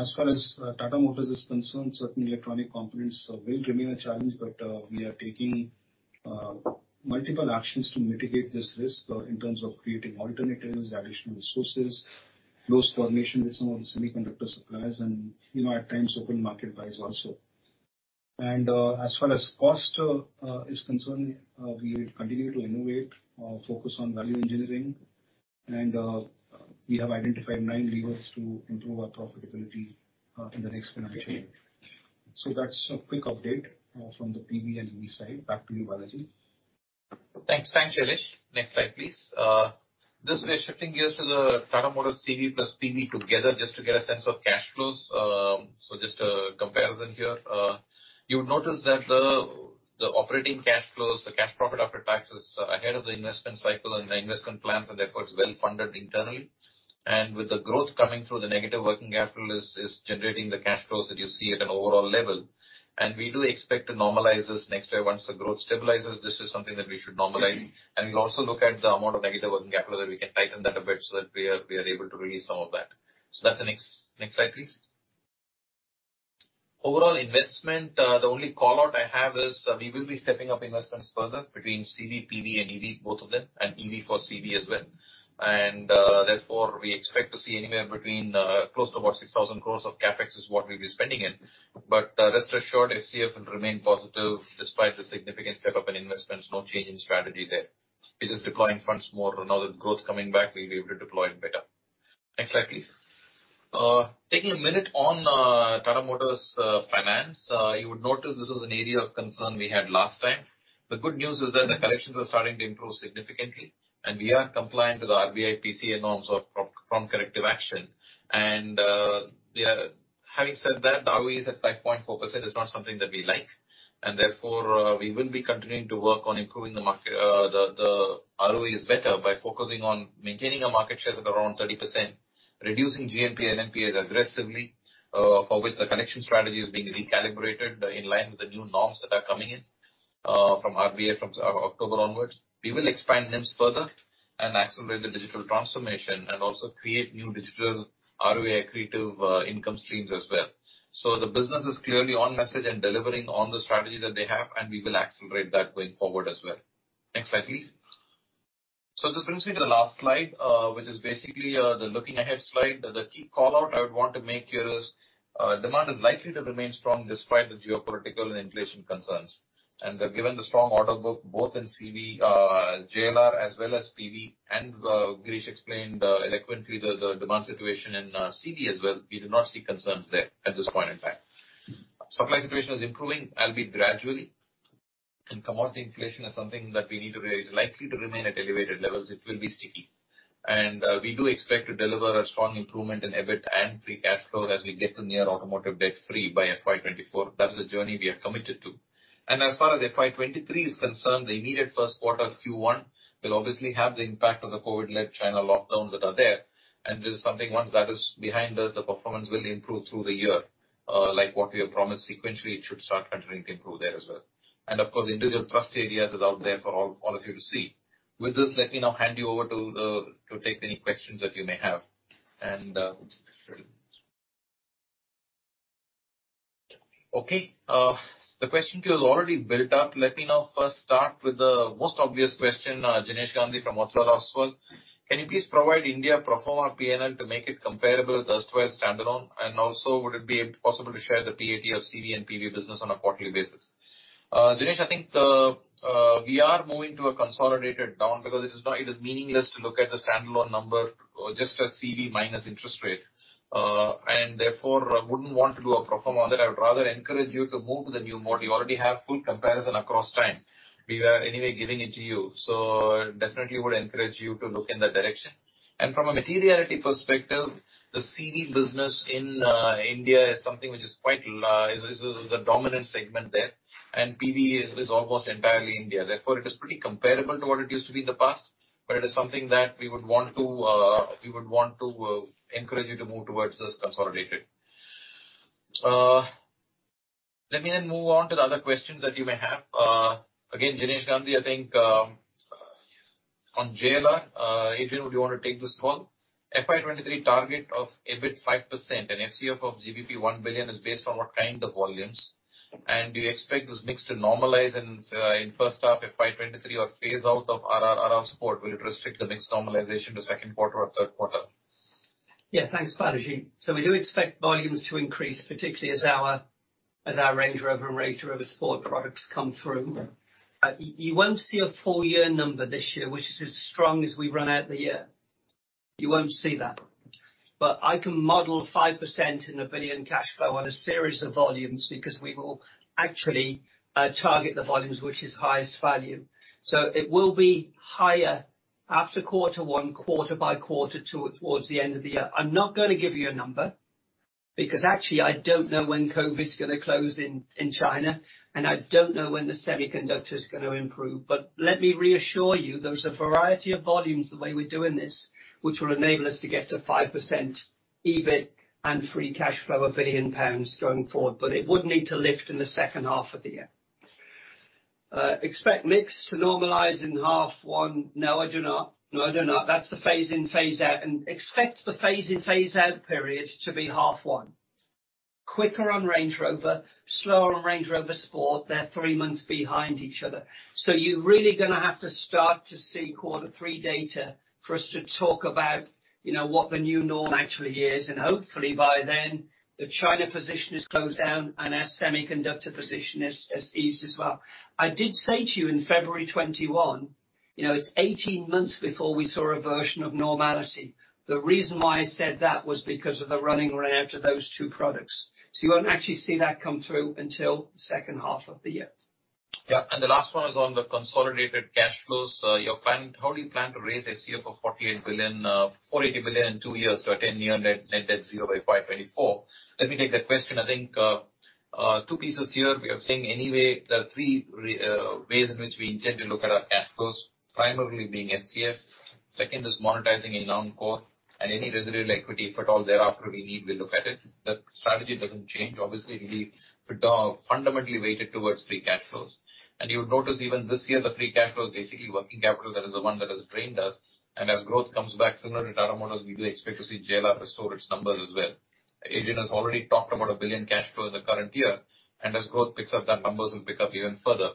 Speaker 5: As far as Tata Motors is concerned, certain electronic components will remain a challenge, but we are taking multiple actions to mitigate this risk in terms of creating alternatives, additional resources, close coordination with some of the semiconductor suppliers and, you know, at times open market buys also. As far as cost is concerned, we will continue to innovate, focus on value engineering, and we have identified nine levers to improve our profitability in the next financial year. That's a quick update from the PV and EV side. Back to you, Balaji.
Speaker 2: Thanks. Thanks, Shailesh. Next slide, please. This, we're shifting gears to the Tata Motors CV plus PV together just to get a sense of cash flows. So just a comparison here. You'll notice that the operating cash flows, the cash profit after tax is ahead of the investment cycle and the investment plans and efforts well funded internally. With the growth coming through, the negative working capital is generating the cash flows that you see at an overall level. We do expect to normalize this next year once the growth stabilizes. This is something that we should normalize. We'll also look at the amount of negative working capital that we can tighten that a bit so that we are able to release some of that. That's the next. Next slide, please. Overall investment, the only call-out I have is we will be stepping up investments further between CV, PV and EV, both of them, and EV for CV as well. Therefore, we expect to see anywhere between close to about 6,000 crore of CapEx is what we'll be spending in. Rest assured, FCF remain positive despite the significant step up in investments. No change in strategy there. It is deploying funds more. Now that growth coming back we'll be able to deploy it better. Next slide, please. Taking a minute on Tata Motors Finance. You would notice this was an area of concern we had last time. The good news is that the corrections are starting to improve significantly, and we are compliant with the RBI PCA norms of prompt corrective action. Having said that, ROE is at 5.4% is not something that we like. Therefore, we will be continuing to work on improving the market, the ROEs better by focusing on maintaining a market share at around 30%, reducing GNPA and NPAs aggressively, for which the collection strategy is being recalibrated, in line with the new norms that are coming in from RBI from October onwards. We will expand NIMs further and accelerate the digital transformation and also create new digital ROA accretive income streams as well. The business is clearly on message and delivering on the strategy that they have, and we will accelerate that going forward as well. Next slide, please. This brings me to the last slide, which is basically the looking ahead slide. The key call-out I would want to make here is demand is likely to remain strong despite the geopolitical and inflation concerns. Given the strong order book, both in CV, JLR, as well as PV, and Girish explained eloquently the demand situation in CV as well, we do not see concerns there at this point in time. Supply situation is improving, albeit gradually. Commodity inflation is something that is likely to remain at elevated levels. It will be sticky. We do expect to deliver a strong improvement in EBIT and free cash flow as we get to near automotive debt free by FY 2024. That's the journey we are committed to. As far as FY 2023 is concerned, the needed first quarter Q1 will obviously have the impact of the COVID-led China lockdowns that are there. This is something, once that is behind us, the performance will improve through the year. Like what we have promised sequentially, it should start continuing to improve there as well. Of course, individual targets are out there for all of you to see. With this, let me now hand you over to take any questions that you may have. Okay, the question queue is already built up. Let me now first start with the most obvious question, Jinesh Gandhi from Motilal Oswal. Can you please provide India pro forma P&L to make it comparable with elsewhere standalone? Would it be possible to share the PAT of CV and PV business on a quarterly basis? Jinesh, I think we are moving to a consolidated now because it is meaningless to look at the standalone number, just the CV minus interest rate. Therefore, I wouldn't want to do a pro forma on that. I would rather encourage you to move to the new model. You already have full comparison across time. We are anyway giving it to you. So definitely would encourage you to look in that direction. From a materiality perspective, the CV business in India is something which is quite likely the dominant segment there. PV is almost entirely India. Therefore, it is pretty comparable to what it used to be in the past, but it is something that we would want to encourage you to move towards this consolidated. Let me move on to the other questions that you may have. Again, Jinesh Gandhi, I think, on JLR, Adrian, would you wanna take this one? FY 2023 target of EBIT 5% and FCF of GBP 1 billion is based on what kind of volumes. Do you expect this mix to normalize in first half FY 2023 or phase out of RRR support, will it restrict the mix normalization to second quarter or third quarter?
Speaker 3: Yeah. Thanks, Balaji. We do expect volumes to increase, particularly as our Range Rover and Range Rover Sport products come through. You won't see a full year number this year, which is as strong as we run out the year. You won't see that. I can model 5% in 1 billion cash flow on a series of volumes because we will actually target the volumes which is highest value. It will be higher after quarter one, quarter by quarter towards the end of the year. I'm not gonna give you a number because actually I don't know when COVID's gonna close in China, and I don't know when the semiconductor's gonna improve. Let me reassure you, there's a variety of volumes the way we're doing this, which will enable us to get to 5% EBIT and free cash flow 1 billion pounds going forward. It would need to lift in the second half of the year. Expect mix to normalize in half one. No, I do not. That's the phase in, phase out. Expect the phase in, phase out period to be half one. Quicker on Range Rover, slower on Range Rover Sport. They're three months behind each other. So you're really gonna have to start to see Q3 data for us to talk about, you know, what the new norm actually is. Hopefully by then, the China position is closed down and our semiconductor position has eased as well. I did say to you in February 2021, you know, it's 18 months before we saw a version of normality. The reason why I said that was because of the running rate of those two products. You won't actually see that come through until second half of the year.
Speaker 2: Yeah. The last one is on the consolidated cash flows. Your plan, how do you plan to raise FCF of 48 billion in two years to attain your net debt zero by FY 2024? Let me take that question. I think, two pieces here. We are saying anyway, there are three ways in which we intend to look at our cash flows, primarily being FCF. Second is monetizing in non-core, and any residual equity, if at all thereafter we need, we'll look at it. The strategy doesn't change. Obviously, it'll be fundamentally weighted towards free cash flows. You would notice even this year, the free cash flow is basically working capital, that is the one that has drained us. As growth comes back, similar to Tata Motors, we do expect to see JLR restore its numbers as well. Adrian has already talked about 1 billion cash flow in the current year, and as growth picks up, that number will pick up even further.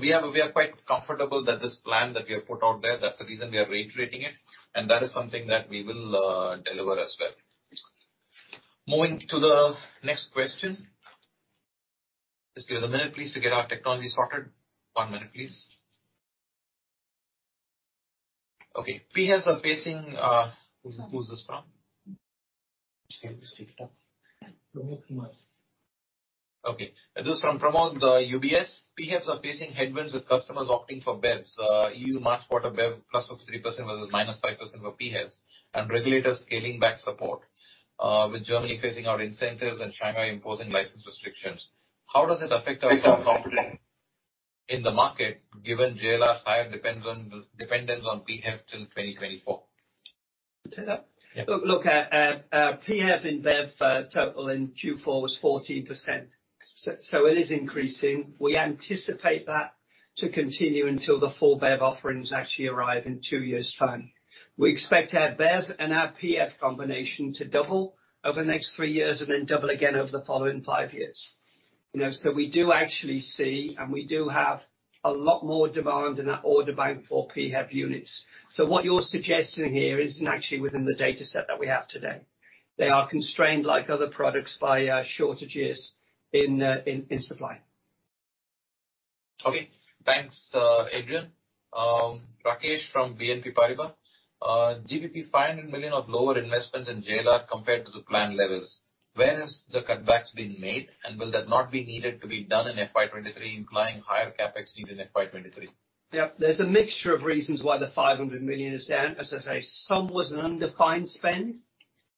Speaker 2: We are quite comfortable that this plan that we have put out there, that's the reason we are reiterating it, and that is something that we will deliver as well. Moving to the next question. Just give us a minute please to get our technology sorted. One minute please. Okay. PHEVs are facing. Who's this from?
Speaker 4: Just take it up.
Speaker 2: It is from Pramod Kumar, UBS. PHEVs are facing headwinds with customers opting for BEVs. EU March quarter BEV +0.3% versus -5% for PHEVs. Regulators scaling back support, with Germany phasing out incentives and China imposing license restrictions. How does it affect our long-term confidence in the market, given JLR's high dependence on PHEVs till 2024.
Speaker 3: Take that?
Speaker 2: Yeah.
Speaker 3: Look, PHEV and BEV total in Q4 was 14%. It is increasing. We anticipate that to continue until the full BEV offerings actually arrive in two years' time. We expect our BEVs and our PHEV combination to double over the next three years, and then double again over the following five years. You know, we do actually see, and we do have a lot more demand in that order bank for PHEV units. What you're suggesting here isn't actually within the data set that we have today. They are constrained, like other products, by shortages in supply.
Speaker 2: Okay. Thanks, Adrian. Rakesh from BNP Paribas. 500 million of lower investments in JLR compared to the planned levels. Where has the cutbacks been made, and will that not be needed to be done in FY 2023, implying higher CapEx needs in FY 2023?
Speaker 3: Yeah. There's a mixture of reasons why the 500 million is down. As I say, some was an undefined spend,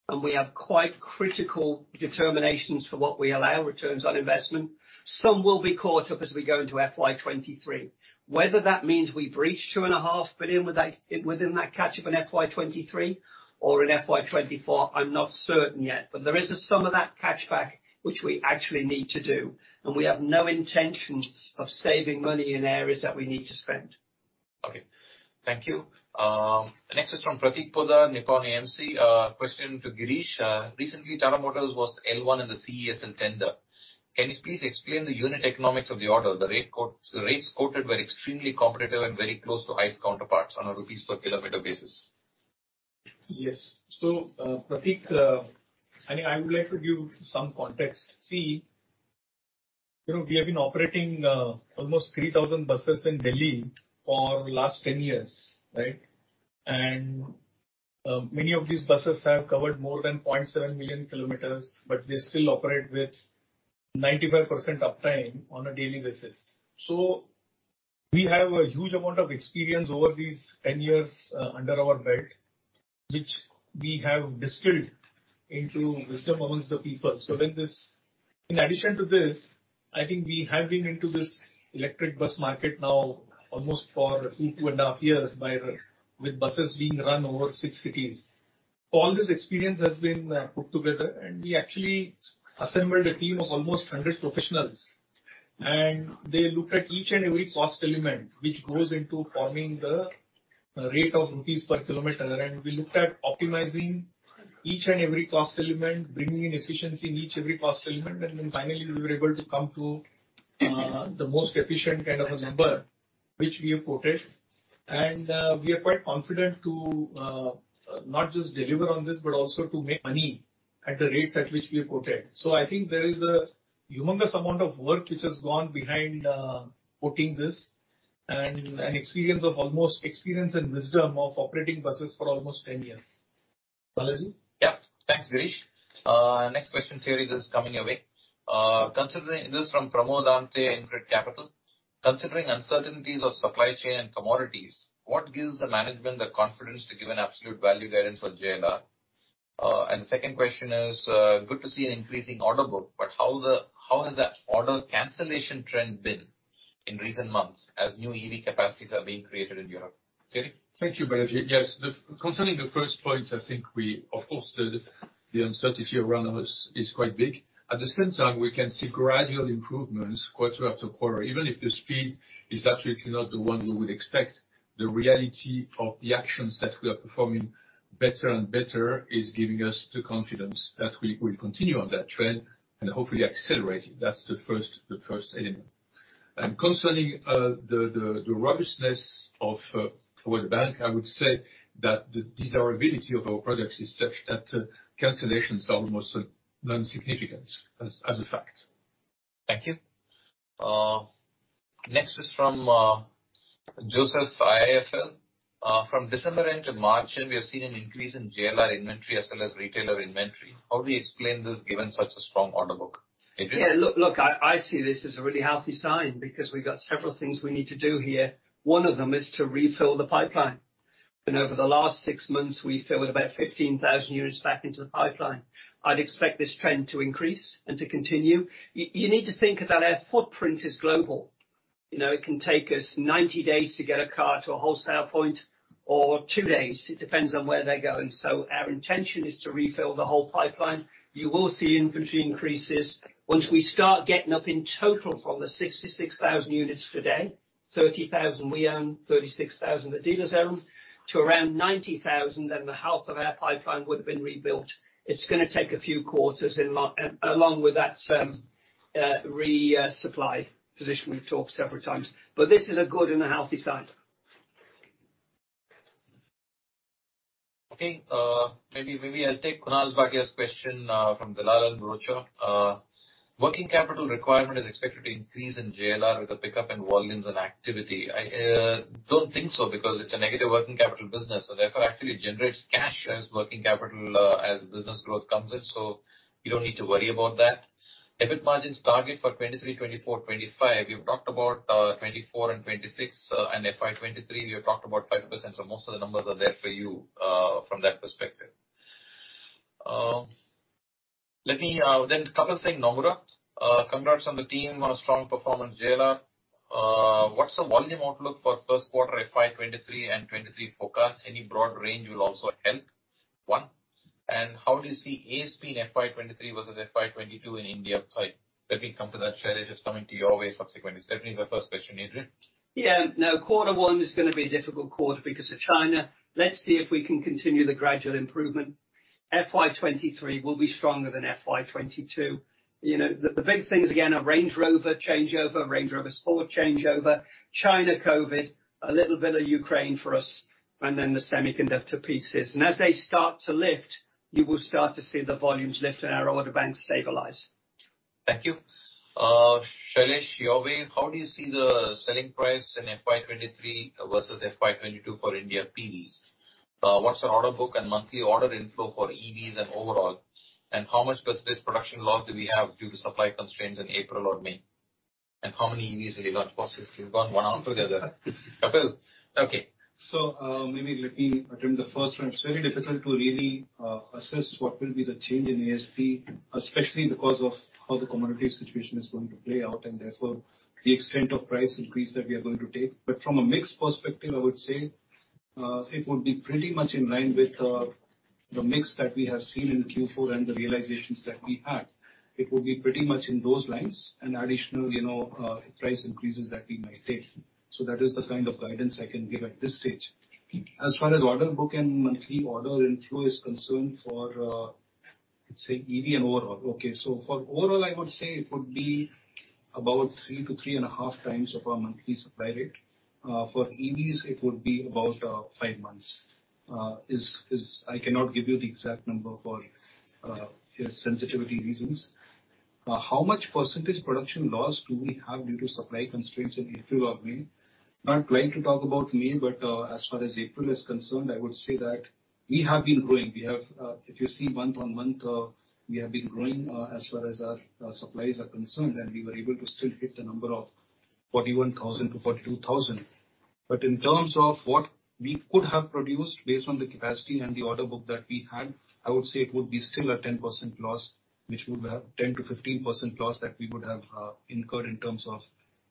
Speaker 3: and we have quite critical determinations for what we allow returns on investment. Some will be caught up as we go into FY 2023. Whether that means we breach 2.5 billion with that, within that catch up in FY 2023 or in FY 2024, I'm not certain yet. There is some of that catch back which we actually need to do, and we have no intention of saving money in areas that we need to spend.
Speaker 2: Okay. Thank you. The next is from Prateek Poddar, Nippon AMC. Question to Girish. Recently, Tata Motors was L1 in the CESL tender. Can you please explain the unit economics of the order? The rates quoted were extremely competitive and very close to highest counterparts on a INR per kilometer basis.
Speaker 4: Yes. Prateek, I mean, I would like to give some context. See, you know, we have been operating almost 3,000 buses in Delhi for the last 10 years, right? Many of these buses have covered more than 0.7 million kilometers, but they still operate with 95% uptime on a daily basis. We have a huge amount of experience over these 10 years under our belt, which we have distilled into wisdom among the people. In addition to this, I think we have been into this electric bus market now almost for two and a half years, with buses being run over six cities. All this experience has been put together and we actually assembled a team of almost 100 professionals. They looked at each and every cost element which goes into forming the rate of INR per kilometer. We looked at optimizing each and every cost element, bringing in efficiency in each and every cost element. Then finally, we were able to come to the most efficient kind of a number, which we have quoted. We are quite confident to not just deliver on this, but also to make money at the rates at which we have quoted. I think there is a humongous amount of work which has gone behind quoting this and experience and wisdom of operating buses for almost 10 years. Balaji?
Speaker 2: Yeah. Thanks, Girish. Next question, Thierry, this is coming your way. This is from Pramod Amthe, InCred Capital. Considering uncertainties of supply chain and commodities, what gives the management the confidence to give an absolute value guidance for JLR? And the second question is, good to see an increasing order book, but how has that order cancellation trend been in recent months as new EV capacities are being created in Europe? Thierry?
Speaker 6: Thank you, Balaji. Yes. Concerning the first point, of course, the uncertainty around us is quite big. At the same time, we can see gradual improvements quarter after quarter, even if the speed is actually not the one we would expect, the reality of the actions that we are performing better and better is giving us the confidence that we will continue on that trend and hopefully accelerate it. That's the first element. Concerning the robustness of order bank, I would say that the desirability of our products is such that cancellations are almost non-significant as a fact.
Speaker 2: Thank you. Next is from Joseph, IIFL. From December end to March end, we have seen an increase in JLR inventory as well as retailer inventory. How do you explain this given such a strong order book? Adrian?
Speaker 3: Yeah. Look, I see this as a really healthy sign because we've got several things we need to do here. One of them is to refill the pipeline. Over the last six months, we filled about 15,000 units back into the pipeline. I'd expect this trend to increase and to continue. You need to think that our footprint is global. You know, it can take us 90 days to get a car to a wholesale point, or two days. It depends on where they're going. Our intention is to refill the whole pipeline. You will see inventory increases once we start getting up in total from the 66,000 units today, 30,000 we own, 36,000 the dealers own, to around 90,000, and the health of our pipeline would have been rebuilt. It's gonna take a few quarters along with that supply position we've talked several times. This is a good and a healthy sign.
Speaker 2: Okay. Maybe I'll take Kunal Bhatia's question from Dalal & Broacha. Working capital requirement is expected to increase in JLR with the pickup in volumes and activity. I don't think so because it's a negative working capital business and therefore actually generates cash as working capital as business growth comes in, so you don't need to worry about that. EBIT margins target for 2023, 2024, 2025. You've talked about 2024 and 2026, and FY 2023, we have talked about 5%, so most of the numbers are there for you from that perspective. Let me then cover, say, Nomura. Congrats on the team on a strong performance, JLR. What's the volume outlook for first quarter FY 2023 and 2023 forecast? Any broad range will also help. One. How do you see ASP in FY 2023 versus FY 2022 in India? Sorry, let me come to that. Shailesh, it's coming your way subsequently. It's definitely the first question, Adrian.
Speaker 3: Yeah, no. Quarter one is gonna be a difficult quarter because of China. Let's see if we can continue the gradual improvement. FY 2023 will be stronger than FY 2022. You know, the big things again are Range Rover changeover, Range Rover Sport changeover, China COVID, a little bit of Ukraine for us, and then the semiconductor pieces. As they start to lift, you will start to see the volumes lift and our order bank stabilize.
Speaker 2: Thank you. Shailesh, your view. How do you see the selling price in FY 2023 versus FY 2022 for Indian EVs? What's our order book and monthly order inflow for EVs and overall? And how much % production loss do we have due to supply constraints in April or May? And how many EVs will you launch possibly? We've gone one after the other. Kapil Singh. Okay.
Speaker 5: Maybe let me attend the first one. It's very difficult to really, assess what will be the change in ASP, especially because of how the commodity situation is going to play out, and therefore, the extent of price increase that we are going to take. From a mix perspective, I would say, it would be pretty much in line with, the mix that we have seen in Q4 and the realizations that we had. It would be pretty much in those lines, and additional, you know, price increases that we might take. That is the kind of guidance I can give at this stage. As far as order book and monthly order inflow is concerned for, let's say EV and overall. Okay. For overall, I would say it would be about 3-3.5 times of our monthly supply rate. For EVs it would be about five months. I cannot give you the exact number for sensitivity reasons. How much percentage production loss do we have due to supply constraints in April or May? Not going to talk about May, but as far as April is concerned, I would say that we have been growing. We have. If you see month-on-month, we have been growing as far as our supplies are concerned, and we were able to still hit the number of 41,000-42,000. In terms of what we could have produced based on the capacity and the order book that we had, I would say it would be still a 10% loss, which would have 10%-15% loss that we would have incurred in terms of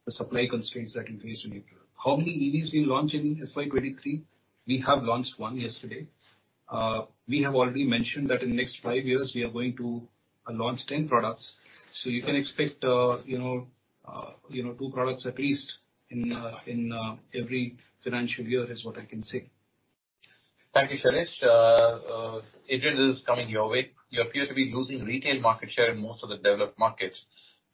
Speaker 5: the supply constraints that increased in April. How many EVs we launch in FY 2023? We have launched one yesterday. We have already mentioned that in the next five years we are going to launch 10 products. So you can expect, you know, you know, two products at least in every financial year, is what I can say.
Speaker 2: Thank you, Shailesh. Adrian, this is coming your way. You appear to be losing retail market share in most of the developed markets.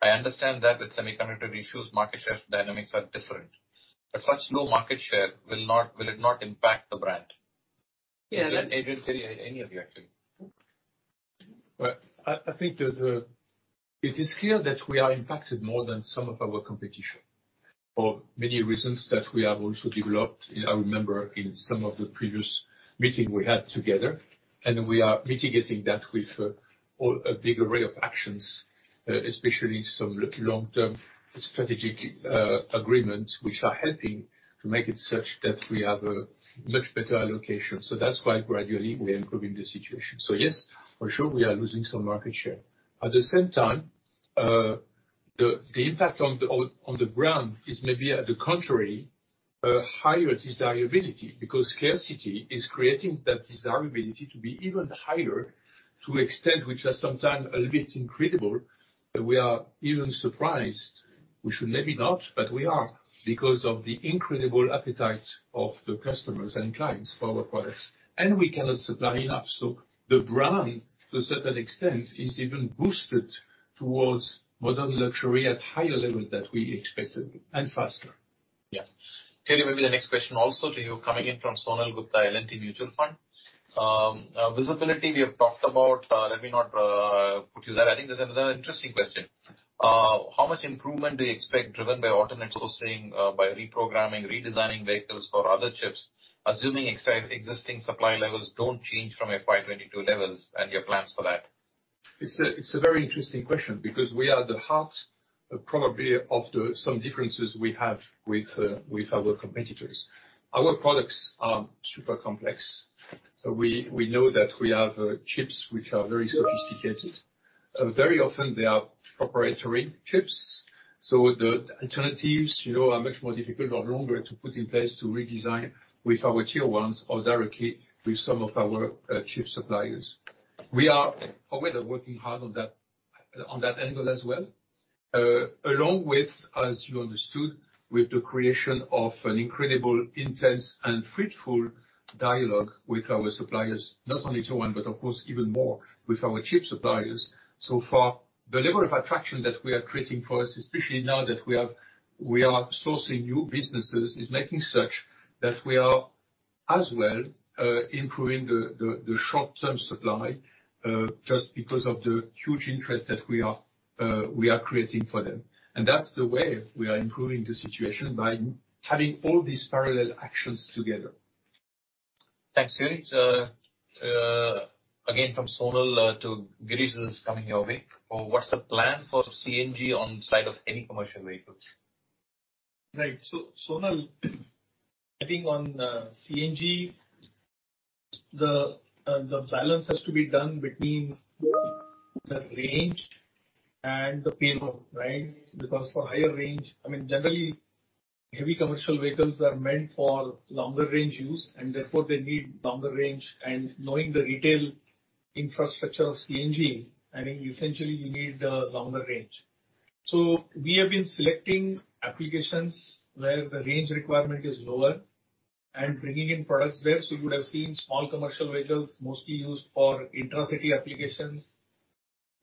Speaker 2: I understand that with semiconductor issues, market share dynamics are different. Such low market share, will it not impact the brand?
Speaker 3: Yeah.
Speaker 2: Adrian, carry on. Any of you, actually.
Speaker 6: It is clear that we are impacted more than some of our competition, for many reasons that we have also developed. I remember in some of the previous meeting we had together. We are mitigating that with a big array of actions, especially some long term strategic agreements, which are helping to make it such that we have a much better allocation. That's why gradually we are improving the situation. Yes, for sure we are losing some market share. At the same time, the impact on the ground is maybe to the contrary, a higher desirability. Because scarcity is creating that desirability to be even higher, to an extent which are sometimes a little bit incredible, that we are even surprised. We should maybe not, but we are. Because of the incredible appetite of the customers and clients for our products. We cannot supply enough. The brand, to a certain extent, is even boosted towards modern luxury at higher level than we expected, and faster.
Speaker 2: Yeah. Thierry, maybe the next question also to you, coming in from Sonal Gupta, L&T Mutual Fund. Visibility we have talked about. Let me not put you there. I think there's another interesting question. How much improvement do you expect driven by alternate sourcing, by reprogramming, redesigning vehicles for other chips, assuming existing supply levels don't change from FY 2022 levels, and your plans for that?
Speaker 6: It's a very interesting question because we are at the heart, probably of some differences we have with our competitors. Our products are super complex. We know that we have chips which are very sophisticated. Very often they are proprietary chips, so the alternatives, you know, are much more difficult or longer to put in place to redesign with our Tier 1s or directly with some of our chip suppliers. We are aware that working hard on that angle as well. Along with, as you understood, with the creation of an incredibly intense and fruitful dialogue with our suppliers. Not only Tier 1, but of course even more with our chip suppliers. So far, the level of attraction that we are creating for us, especially now that we are sourcing new businesses, is making such that we are as well improving the short-term supply, just because of the huge interest that we are creating for them. That's the way we are improving the situation, by having all these parallel actions together.
Speaker 2: Thanks, Thierry. Again, from Sonal to Girish, this is coming your way. What's the plan for CNG on side of heavy commercial vehicles?
Speaker 4: Right. Sonal, I think on CNG, the balance has to be done between the range and the payload, right? Because for higher range. I mean, generally, heavy commercial vehicles are meant for longer range use, and therefore they need longer range. Knowing the retail infrastructure of CNG, I think essentially you need the longer range. We have been selecting applications where the range requirement is lower and bringing in products there. You would have seen small commercial vehicles mostly used for intra-city applications,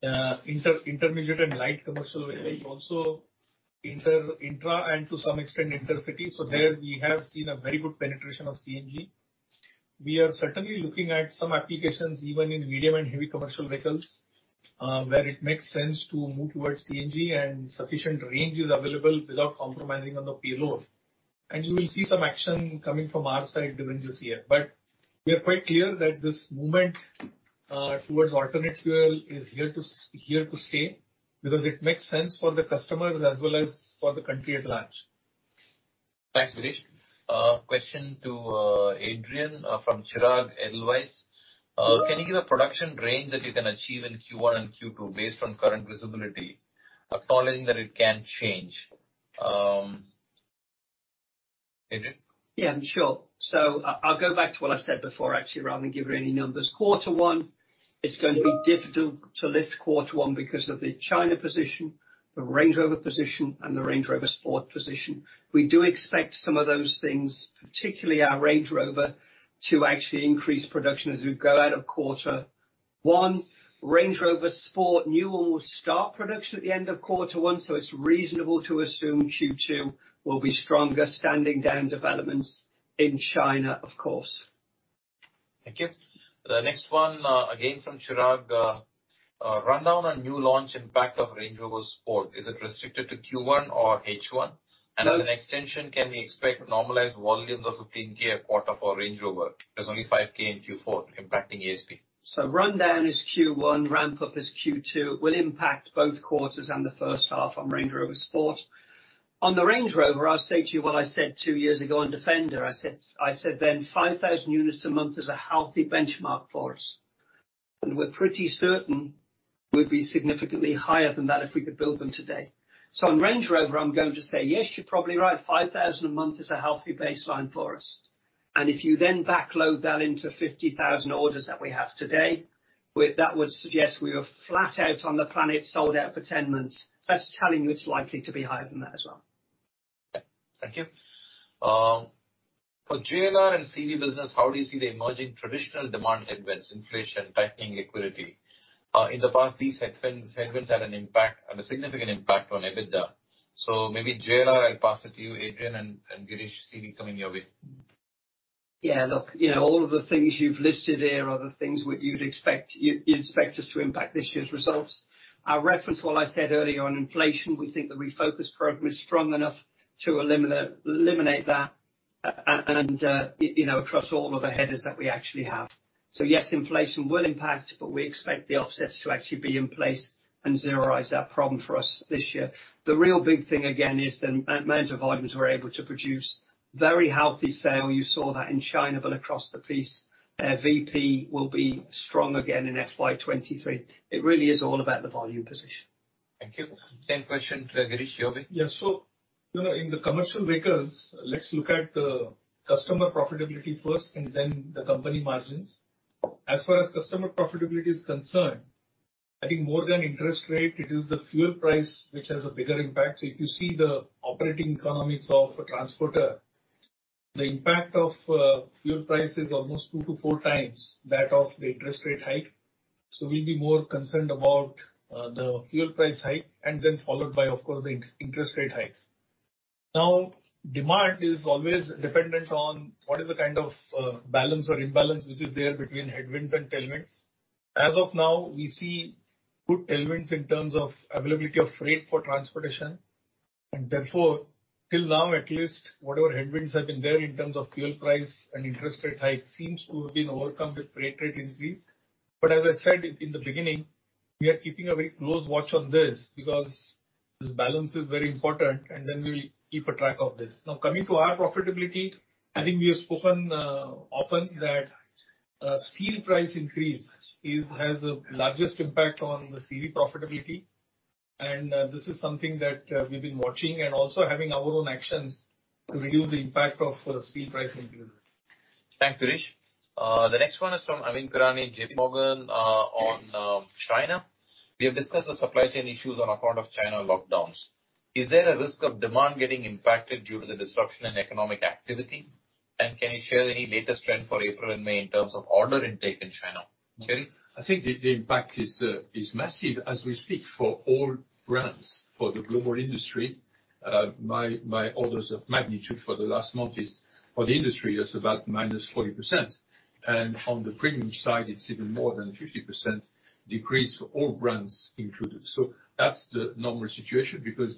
Speaker 4: intermediate and light commercial vehicles also intra and to some extent intercity. There we have seen a very good penetration of CNG. We are certainly looking at some applications even in medium and heavy commercial vehicles, where it makes sense to move towards CNG and sufficient range is available without compromising on the payload. You will see some action coming from our side during this year. We are quite clear that this movement towards alternative fuel is here to stay because it makes sense for the customers as well as for the country at large.
Speaker 2: Thanks, Girish. Question to Adrian from Chirag, Edelweiss. Can you give a production range that you can achieve in Q1 and Q2 based on current visibility, acknowledging that it can change, Adrian?
Speaker 3: Yeah, sure. I'll go back to what I said before actually, rather than give you any numbers. Quarter one, it's going to be difficult to lift quarter one because of the China position, the Range Rover position and the Range Rover Sport position. We do expect some of those things, particularly our Range Rover, to actually increase production as we go out of quarter one. Range Rover Sport, new all-new production at the end of quarter one. It's reasonable to assume Q2 will be stronger, notwithstanding developments in China, of course.
Speaker 2: Thank you. The next one, again from Chirag. Rundown on new launch impact of Range Rover Sport. Is it restricted to Q1 or H1? As an extension, can we expect normalized volumes of 15K a quarter for Range Rover? There's only 5K in Q4 impacting ASP.
Speaker 3: Rundown is Q1, ramp up is Q2. It will impact both quarters and the first half on Range Rover Sport. On the Range Rover, I'll say to you what I said two years ago on Defender. I said then 5,000 units a month is a healthy benchmark for us. We're pretty certain we'd be significantly higher than that if we could build them today. On Range Rover, I'm going to say, yes, you're probably right. 5,000 a month is a healthy baseline for us. If you then backload that into 50,000 orders that we have today, with that would suggest we are flat out on the planet, sold out for 10 months. That's telling you it's likely to be higher than that as well.
Speaker 2: Thank you. For JLR and CV business, how do you see the emerging traditional demand headwinds, inflation, tightening liquidity? In the past, these segments had a significant impact on EBITDA. Maybe JLR, I'll pass it to you, Adrian, and Girish, CV coming your way.
Speaker 3: Yeah. Look, you know, all of the things you've listed here are the things which you'd expect us to impact this year's results. I'll reference what I said earlier on inflation. We think the Refocus program is strong enough to eliminate that and, you know, across all of the headers that we actually have. Yes, inflation will impact, but we expect the offsets to actually be in place and zeroize that problem for us this year. The real big thing again is the amount of volumes we're able to produce. Very healthy sales. You saw that in China, but across the piece, VME will be strong again in FY 2023. It really is all about the volume position.
Speaker 2: Thank you. Same question to Girish, your way.
Speaker 4: Yeah. You know, in the commercial vehicles, let's look at customer profitability first and then the company margins. As far as customer profitability is concerned, I think more than interest rate, it is the fuel price which has a bigger impact. If you see the operating economics of a transporter, the impact of fuel price is almost 2-4 times that of the interest rate hike. We'll be more concerned about the fuel price hike and then followed by, of course, the interest rate hikes. Now, demand is always dependent on what is the kind of balance or imbalance which is there between headwinds and tailwinds. As of now, we see good tailwinds in terms of availability of freight for transportation. Therefore, till now at least, whatever headwinds have been there in terms of fuel price and interest rate hike seems to have been overcome with freight rate increase. As I said in the beginning, we are keeping a very close watch on this because this balance is very important, and then we'll keep a track of this. Now, coming to our profitability, I think we have spoken often that steel price increase has the largest impact on the CV profitability. This is something that we've been watching and also having our own actions to reduce the impact of steel price increase.
Speaker 2: Thanks, Girish. The next one is from Amyn Pirani, JPMorgan, on China. We have discussed the supply chain issues on account of China lockdowns. Is there a risk of demand getting impacted due to the disruption in economic activity? And can you share any latest trend for April and May in terms of order intake in China? Thierry?
Speaker 6: I think the impact is massive as we speak for all brands for the global industry. My orders of magnitude for the last month is, for the industry, it's about minus 40%. On the premium side, it's even more than 50% decrease for all brands included. That's the normal situation because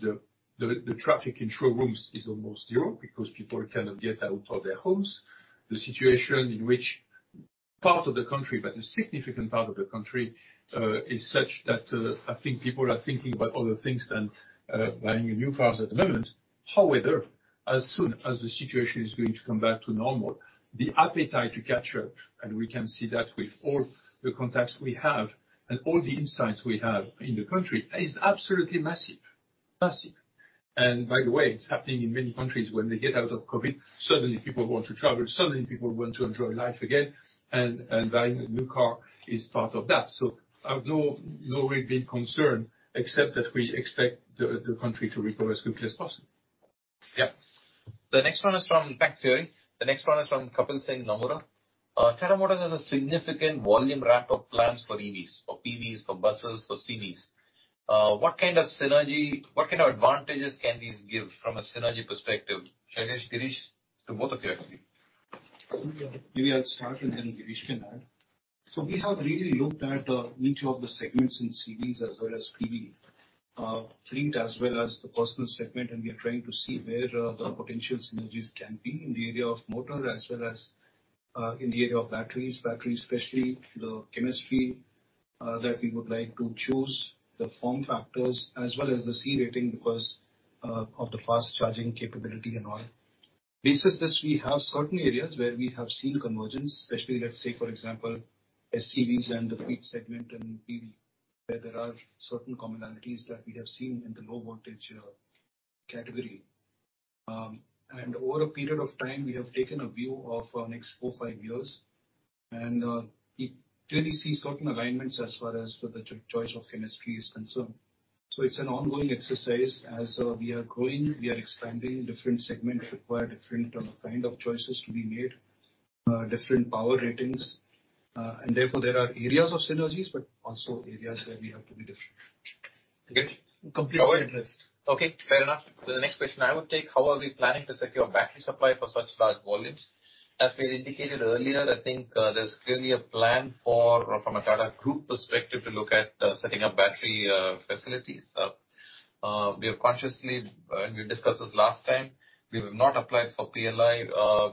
Speaker 6: the traffic in showrooms is almost zero because people cannot get out of their homes. The situation in which Part of the country, but a significant part of the country, is such that, I think people are thinking about other things than, buying a new cars at the moment. However, as soon as the situation is going to come back to normal, the appetite to catch up, and we can see that with all the contacts we have and all the insights we have in the country, is absolutely massive. Massive. By the way, it's happening in many countries. When they get out of COVID, suddenly people want to travel, suddenly people want to enjoy life again, and buying a new car is part of that. I've no real big concern except that we expect the country to recover as quickly as possible.
Speaker 2: Thanks, Thierry. The next one is from Kapil Singh, Nomura. Tata Motors has a significant volume ramp of plans for EVs, for PVs, for buses, for CVs. What kind of synergy, what kind of advantages can these give from a synergy perspective? Shailesh, Girish, to both of you, I believe.
Speaker 5: Maybe I'll start and then Girish can add. We have really looked at each of the segments in CVs as well as PV, fleet, as well as the personal segment, and we are trying to see where the potential synergies can be in the area of motor as well as in the area of batteries. Batteries, especially the chemistry that we would like to choose, the form factors, as well as the C-rate because of the fast charging capability and all. Based on this, we have certain areas where we have seen convergence, especially, let's say for example, SCVs and the fleet segment and PV, where there are certain commonalities that we have seen in the low voltage category. Over a period of time, we have taken a view of next 4-5 years, and we clearly see certain alignments as far as the choice of chemistry is concerned. It's an ongoing exercise. As we are growing, we are expanding. Different segment require different kind of choices to be made, different power ratings, and therefore there are areas of synergies but also areas where we have to be different.
Speaker 2: Girish?
Speaker 4: Completely addressed.
Speaker 2: Okay, fair enough. The next question I would take, how are we planning to secure battery supply for such large volumes? As we had indicated earlier, I think, there's clearly a plan for, from a Tata Group perspective to look at, setting up battery facilities. We have consciously, we discussed this last time, we have not applied for PLI,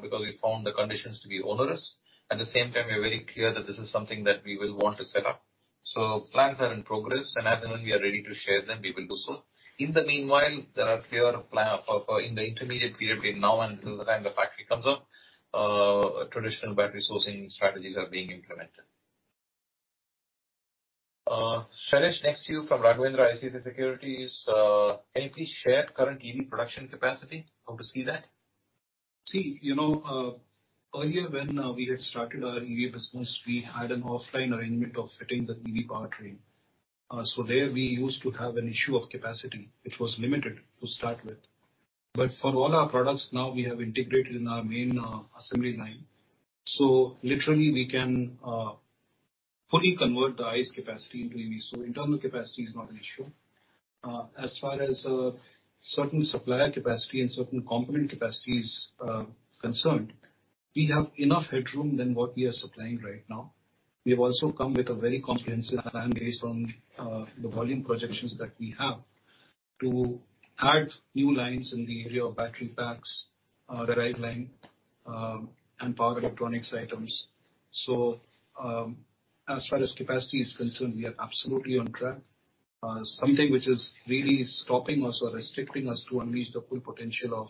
Speaker 2: because we found the conditions to be onerous. At the same time, we are very clear that this is something that we will want to set up. Plans are in progress, and as and when we are ready to share them, we will do so. In the meanwhile, there are clear plan or in the intermediate period between now and till the time the factory comes up, traditional battery sourcing strategies are being implemented. Shailesh, next to you from Raghunandhan, ICICI Securities. Can you please share current EV production capacity? How do you see that?
Speaker 5: See, you know, earlier when we had started our EV business, we had an offline arrangement of fitting the EV powertrain. There we used to have an issue of capacity, which was limited to start with. For all our products now, we have integrated in our main assembly line. Literally we can fully convert the ICE capacity into EV. Internal capacity is not an issue. As far as certain supplier capacity and certain component capacity is concerned, we have enough headroom than what we are supplying right now. We have also come with a very comprehensive plan based on the volume projections that we have to add new lines in the area of battery packs, the drive line, and power electronics items. As far as capacity is concerned, we are absolutely on track. Something which is really stopping us or restricting us to unleash the full potential of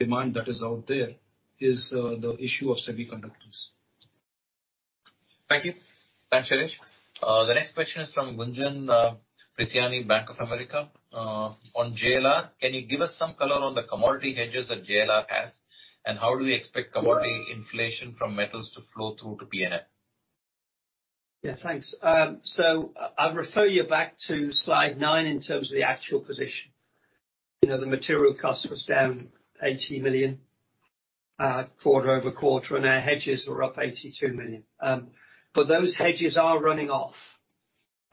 Speaker 5: demand that is out there is the issue of semiconductors.
Speaker 2: Thank you. Thanks, Shailesh. The next question is from Gunjan Prithyani, Bank of America. On JLR, can you give us some color on the commodity hedges that JLR has? How do we expect commodity inflation from metals to flow through to P&L?
Speaker 3: Yeah, thanks. I'll refer you back to slide nine in terms of the actual position. You know, the material cost was down 80 million quarter-over-quarter, and our hedges were up 82 million. Those hedges are running off.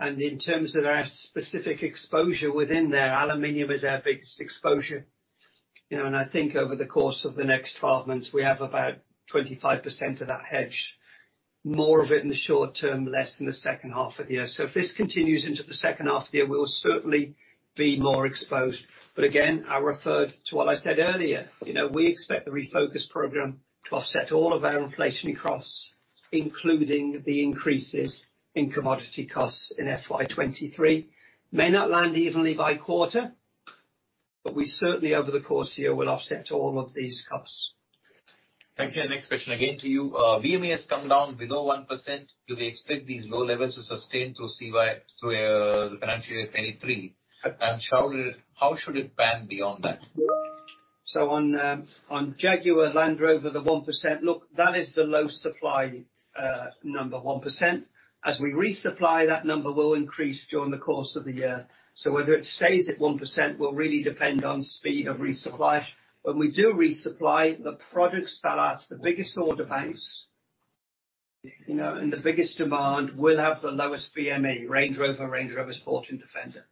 Speaker 3: In terms of our specific exposure within there, aluminum is our biggest exposure. You know, I think over the course of the next 12 months, we have about 25% of that hedge, more of it in the short term, less in the second half of the year. If this continues into the second half of the year, we'll certainly be more exposed. Again, I referred to what I said earlier. You know, we expect the Refocus program to offset all of our inflationary costs, including the increases in commodity costs in FY 2023. May not land evenly by quarter, but we certainly, over the course of the year, will offset all of these costs.
Speaker 2: Thank you. Next question again to you. VMA has come down below 1%. Do we expect these low levels to sustain through CY, through the financial year 2023? How should it pan beyond that?
Speaker 3: On Jaguar Land Rover, the 1%, look, that is the low supply number, 1%. As we resupply, that number will increase during the course of the year. Whether it stays at 1% will really depend on speed of resupply. When we do resupply, the product sell outs, the biggest order banks, you know, and the biggest demand will have the lowest VMA, Range Rover, Range Rover Sport, and Defender.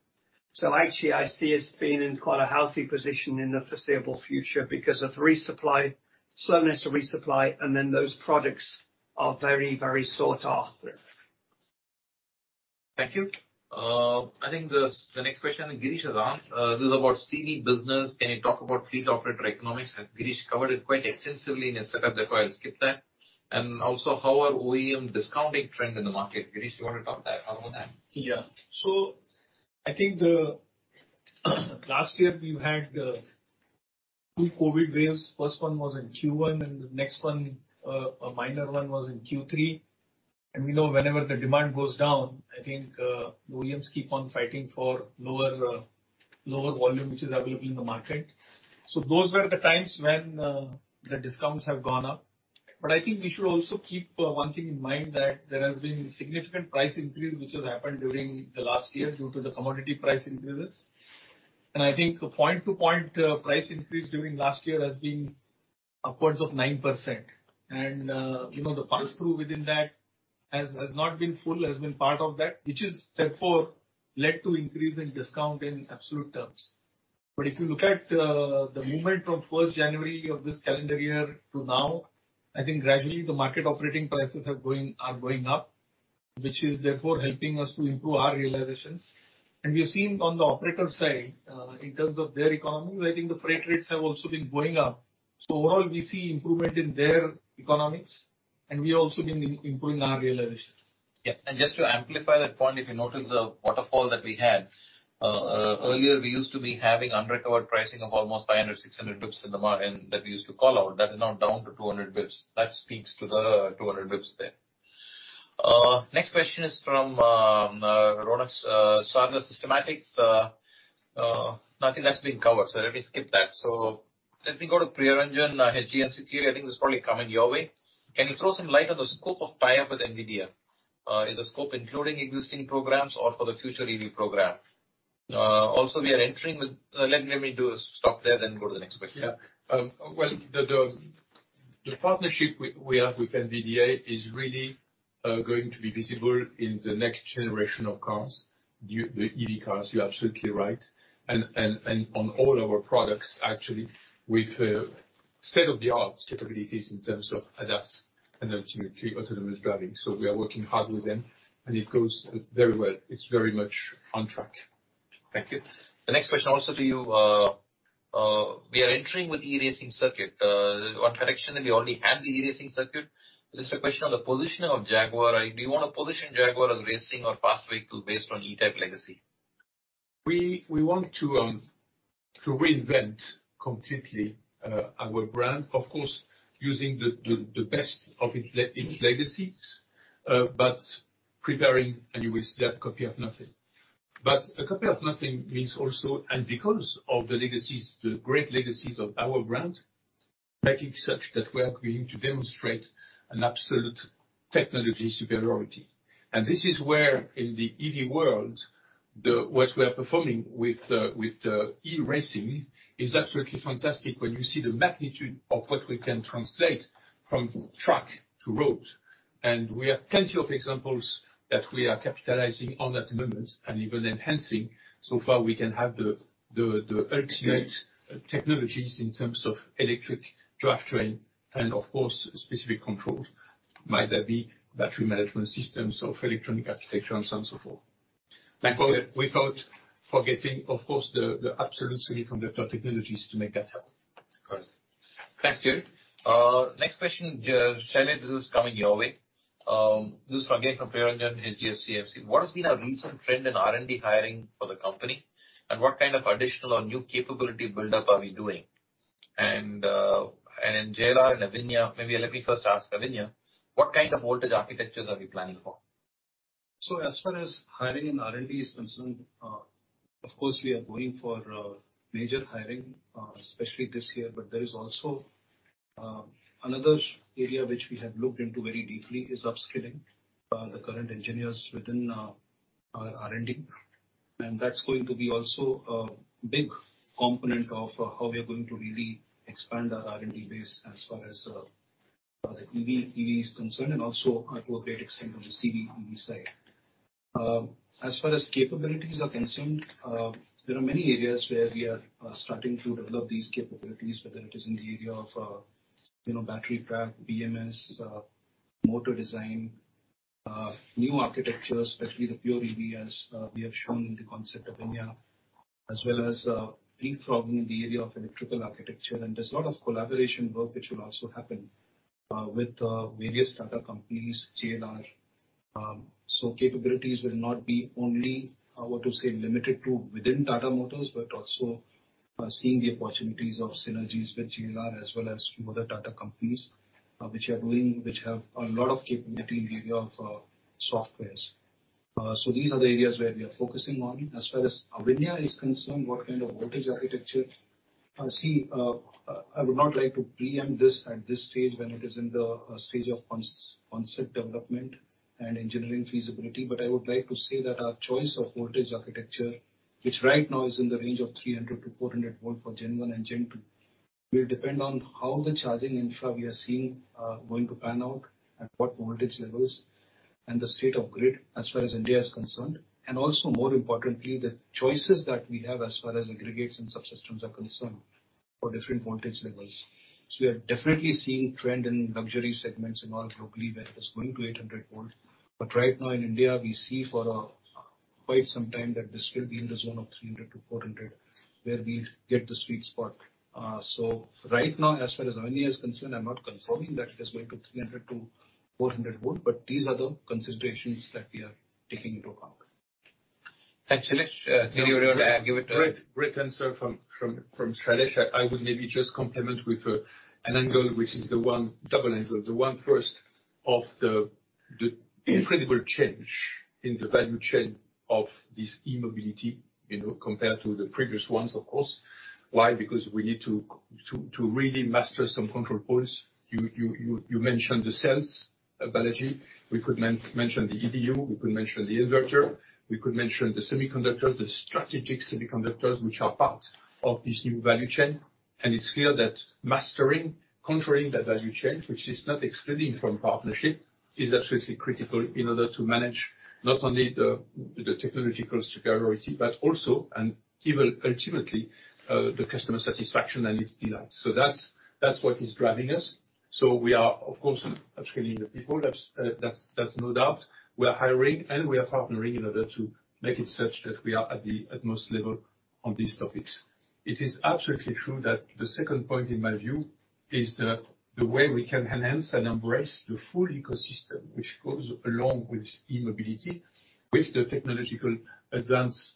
Speaker 3: Actually, I see us being in quite a healthy position in the foreseeable future because of resupply, slowness to resupply, and then those products are very, very sought after.
Speaker 2: Thank you. I think the next question Girish has asked is about CV business. Can you talk about fleet operator economics? Girish covered it quite extensively in his setup, therefore, I'll skip that. Also how are OEM discounting trend in the market? Girish, you wanna talk about that?
Speaker 4: Yeah. I think the last year we had two COVID waves. First one was in Q1, and the next one, a minor one, was in Q3. We know whenever the demand goes down, I think, the OEMs keep on fighting for lower volume which is available in the market. Those were the times when the discounts have gone up. I think we should also keep one thing in mind, that there has been significant price increase, which has happened during the last year due to the commodity price increases. I think point to point, price increase during last year has been upwards of 9%. You know, the pass-through within that has not been full, has been part of that, which has therefore led to increase in discount in absolute terms.
Speaker 5: If you look at the movement from first January of this calendar year to now, I think gradually the market operating prices are going up, which is therefore helping us to improve our realizations. We have seen on the operator side in terms of their economy, where I think the freight rates have also been going up. Overall, we see improvement in their economics and we have also been improving our realizations.
Speaker 2: Yeah. Just to amplify that point, if you notice the waterfall that we had earlier, we used to be having unrecovered pricing of almost 500-600 basis points and that we used to call out. That is now down to 200 basis points. That speaks to the 200 basis points there. Next question is from Ronak Sarna, Systematix. No, I think that's been covered, so let me skip that. Let me go to Priya Ranjan at GNFC. I think this is probably coming your way. Can you throw some light on the scope of tie-up with NVIDIA? Is the scope including existing programs or for the future EV programs? Also we are entering with. Let me stop there, then go to the next question.
Speaker 6: Yeah. Well, the partnership we have with NVIDIA is really going to be visible in the next generation of cars, the EV cars, you're absolutely right. On all our products actually with state-of-the-art capabilities in terms of ADAS and ultimately autonomous driving. We are working hard with them and it goes very well. It's very much on track.
Speaker 2: Thank you. The next question also to you, we are entering with e-racing circuit. In connection we already had the e-racing circuit. Just a question on the positioning of Jaguar. Do you wanna position Jaguar as racing or fast vehicle based on E-Type legacy?
Speaker 6: We want to reinvent completely our brand, of course, using the best of its legacies, but preparing, and you will see that copy of nothing. A copy of nothing means also, and because of the legacies, the great legacies of our brand, making sure that we are going to demonstrate an absolute technology superiority. This is where in the EV world, what we are performing with the E-racing is absolutely fantastic when you see the magnitude of what we can translate from track to road. We have plenty of examples that we are capitalizing on at the moment and even enhancing so that we can have the ultimate technologies in terms of electric drivetrain and of course, specific controls. Might that be battery management systems or electronic architecture and so on and so forth?
Speaker 2: Thanks.
Speaker 6: Without forgetting, of course, the absolute semiconductor technologies to make that happen. Got it. Thanks, Thierry. Next question, Shailesh, this is coming your way. This is from, again, from Priya Ranjan at GNFC. What has been a recent trend in R&D hiring for the company? And what kind of additional or new capability buildup are we doing? And JLR and Avinya, maybe let me first ask Avinya, what kind of voltage architectures are we planning for?
Speaker 5: As far as hiring and R&D is concerned, of course, we are going for major hiring, especially this year. There is also another area which we have looked into very deeply is upskilling the current engineers within our R&D. That's going to be also a big component of how we are going to really expand our R&D base as far as the EV is concerned, and also to a great extent on the CV, on EV side. As far as capabilities are concerned, there are many areas where we are starting to develop these capabilities, whether it is in the area of, you know, battery pack, BMS, motor design, new architecture, especially the pure EV as we have shown in the concept Avinya. As well as reprogramming the area of electrical architecture. There's a lot of collaboration work which will also happen with various startup companies, JLR. Capabilities will not be only limited to within Tata Motors, but also seeing the opportunities of synergies with JLR as well as some other Tata companies which have a lot of capability in the area of softwares. These are the areas where we are focusing on. As far as Avinya is concerned, what kind of voltage architecture. See, I would not like to preempt this at this stage when it is in the stage of concept development and engineering feasibility. I would like to say that our choice of voltage architecture, which right now is in the range of 300-400 volt for Gen 1 and Gen 2, will depend on how the charging infra we are seeing going to pan out, at what voltage levels and the state of grid as far as India is concerned. Also more importantly, the choices that we have as far as aggregates and subsystems are concerned for different voltage levels. We are definitely seeing trend in luxury segments globally where it is going to 800 volt. Right now in India, we see for quite some time that this will be in the zone of 300-400, where we get the sweet spot. Right now, as far as O&E is concerned, I'm not confirming that it is going to 300-400 volt, but these are the considerations that we are taking into account.
Speaker 2: Thanks, Shailesh. Thierry, do you wanna give it to
Speaker 6: Great answer from Shailesh. I would maybe just complement with an angle, which is the one double angle. The one first of the incredible change in the value chain of this e-mobility, you know, compared to the previous ones, of course. Why? Because we need to really master some control points. You mentioned the cells, Balaji. We could mention the EDU, we could mention the inverter, we could mention the semiconductors, the strategic semiconductors, which are part of this new value chain. It's clear that mastering, controlling that value chain, which is not excluding from partnership, is absolutely critical in order to manage not only the technological superiority, but also, and even ultimately, the customer satisfaction and its delight. That's what is driving us. We are, of course, upskilling the people. That's no doubt. We are hiring and we are partnering in order to make it such that we are at the utmost level on these topics. It is absolutely true that the second point in my view is that the way we can enhance and embrace the full ecosystem, which goes along with e-mobility, with the technological advanced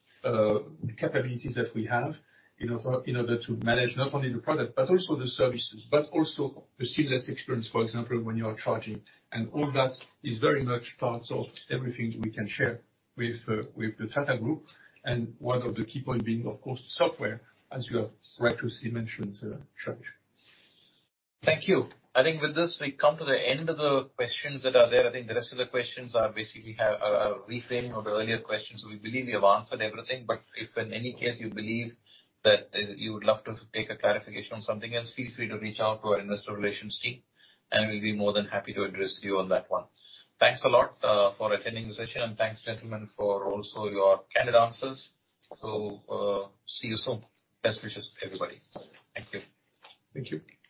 Speaker 6: capabilities that we have in order to manage not only the product, but also the services. Also the seamless experience, for example, when you are charging. All that is very much part of everything we can share with the Tata Group. One of the key point being, of course, software, as you have rightly mentioned, Shailesh.
Speaker 2: Thank you. I think with this we come to the end of the questions that are there. I think the rest of the questions are basically a reframe of the earlier questions. We believe we have answered everything, but if in any case you believe that you would love to take a clarification on something else, feel free to reach out to our investor relations team, and we'll be more than happy to address you on that one. Thanks a lot for attending the session. Thanks, gentlemen, for also your candid answers. See you soon. Best wishes, everybody. Thank you.
Speaker 6: Thank you.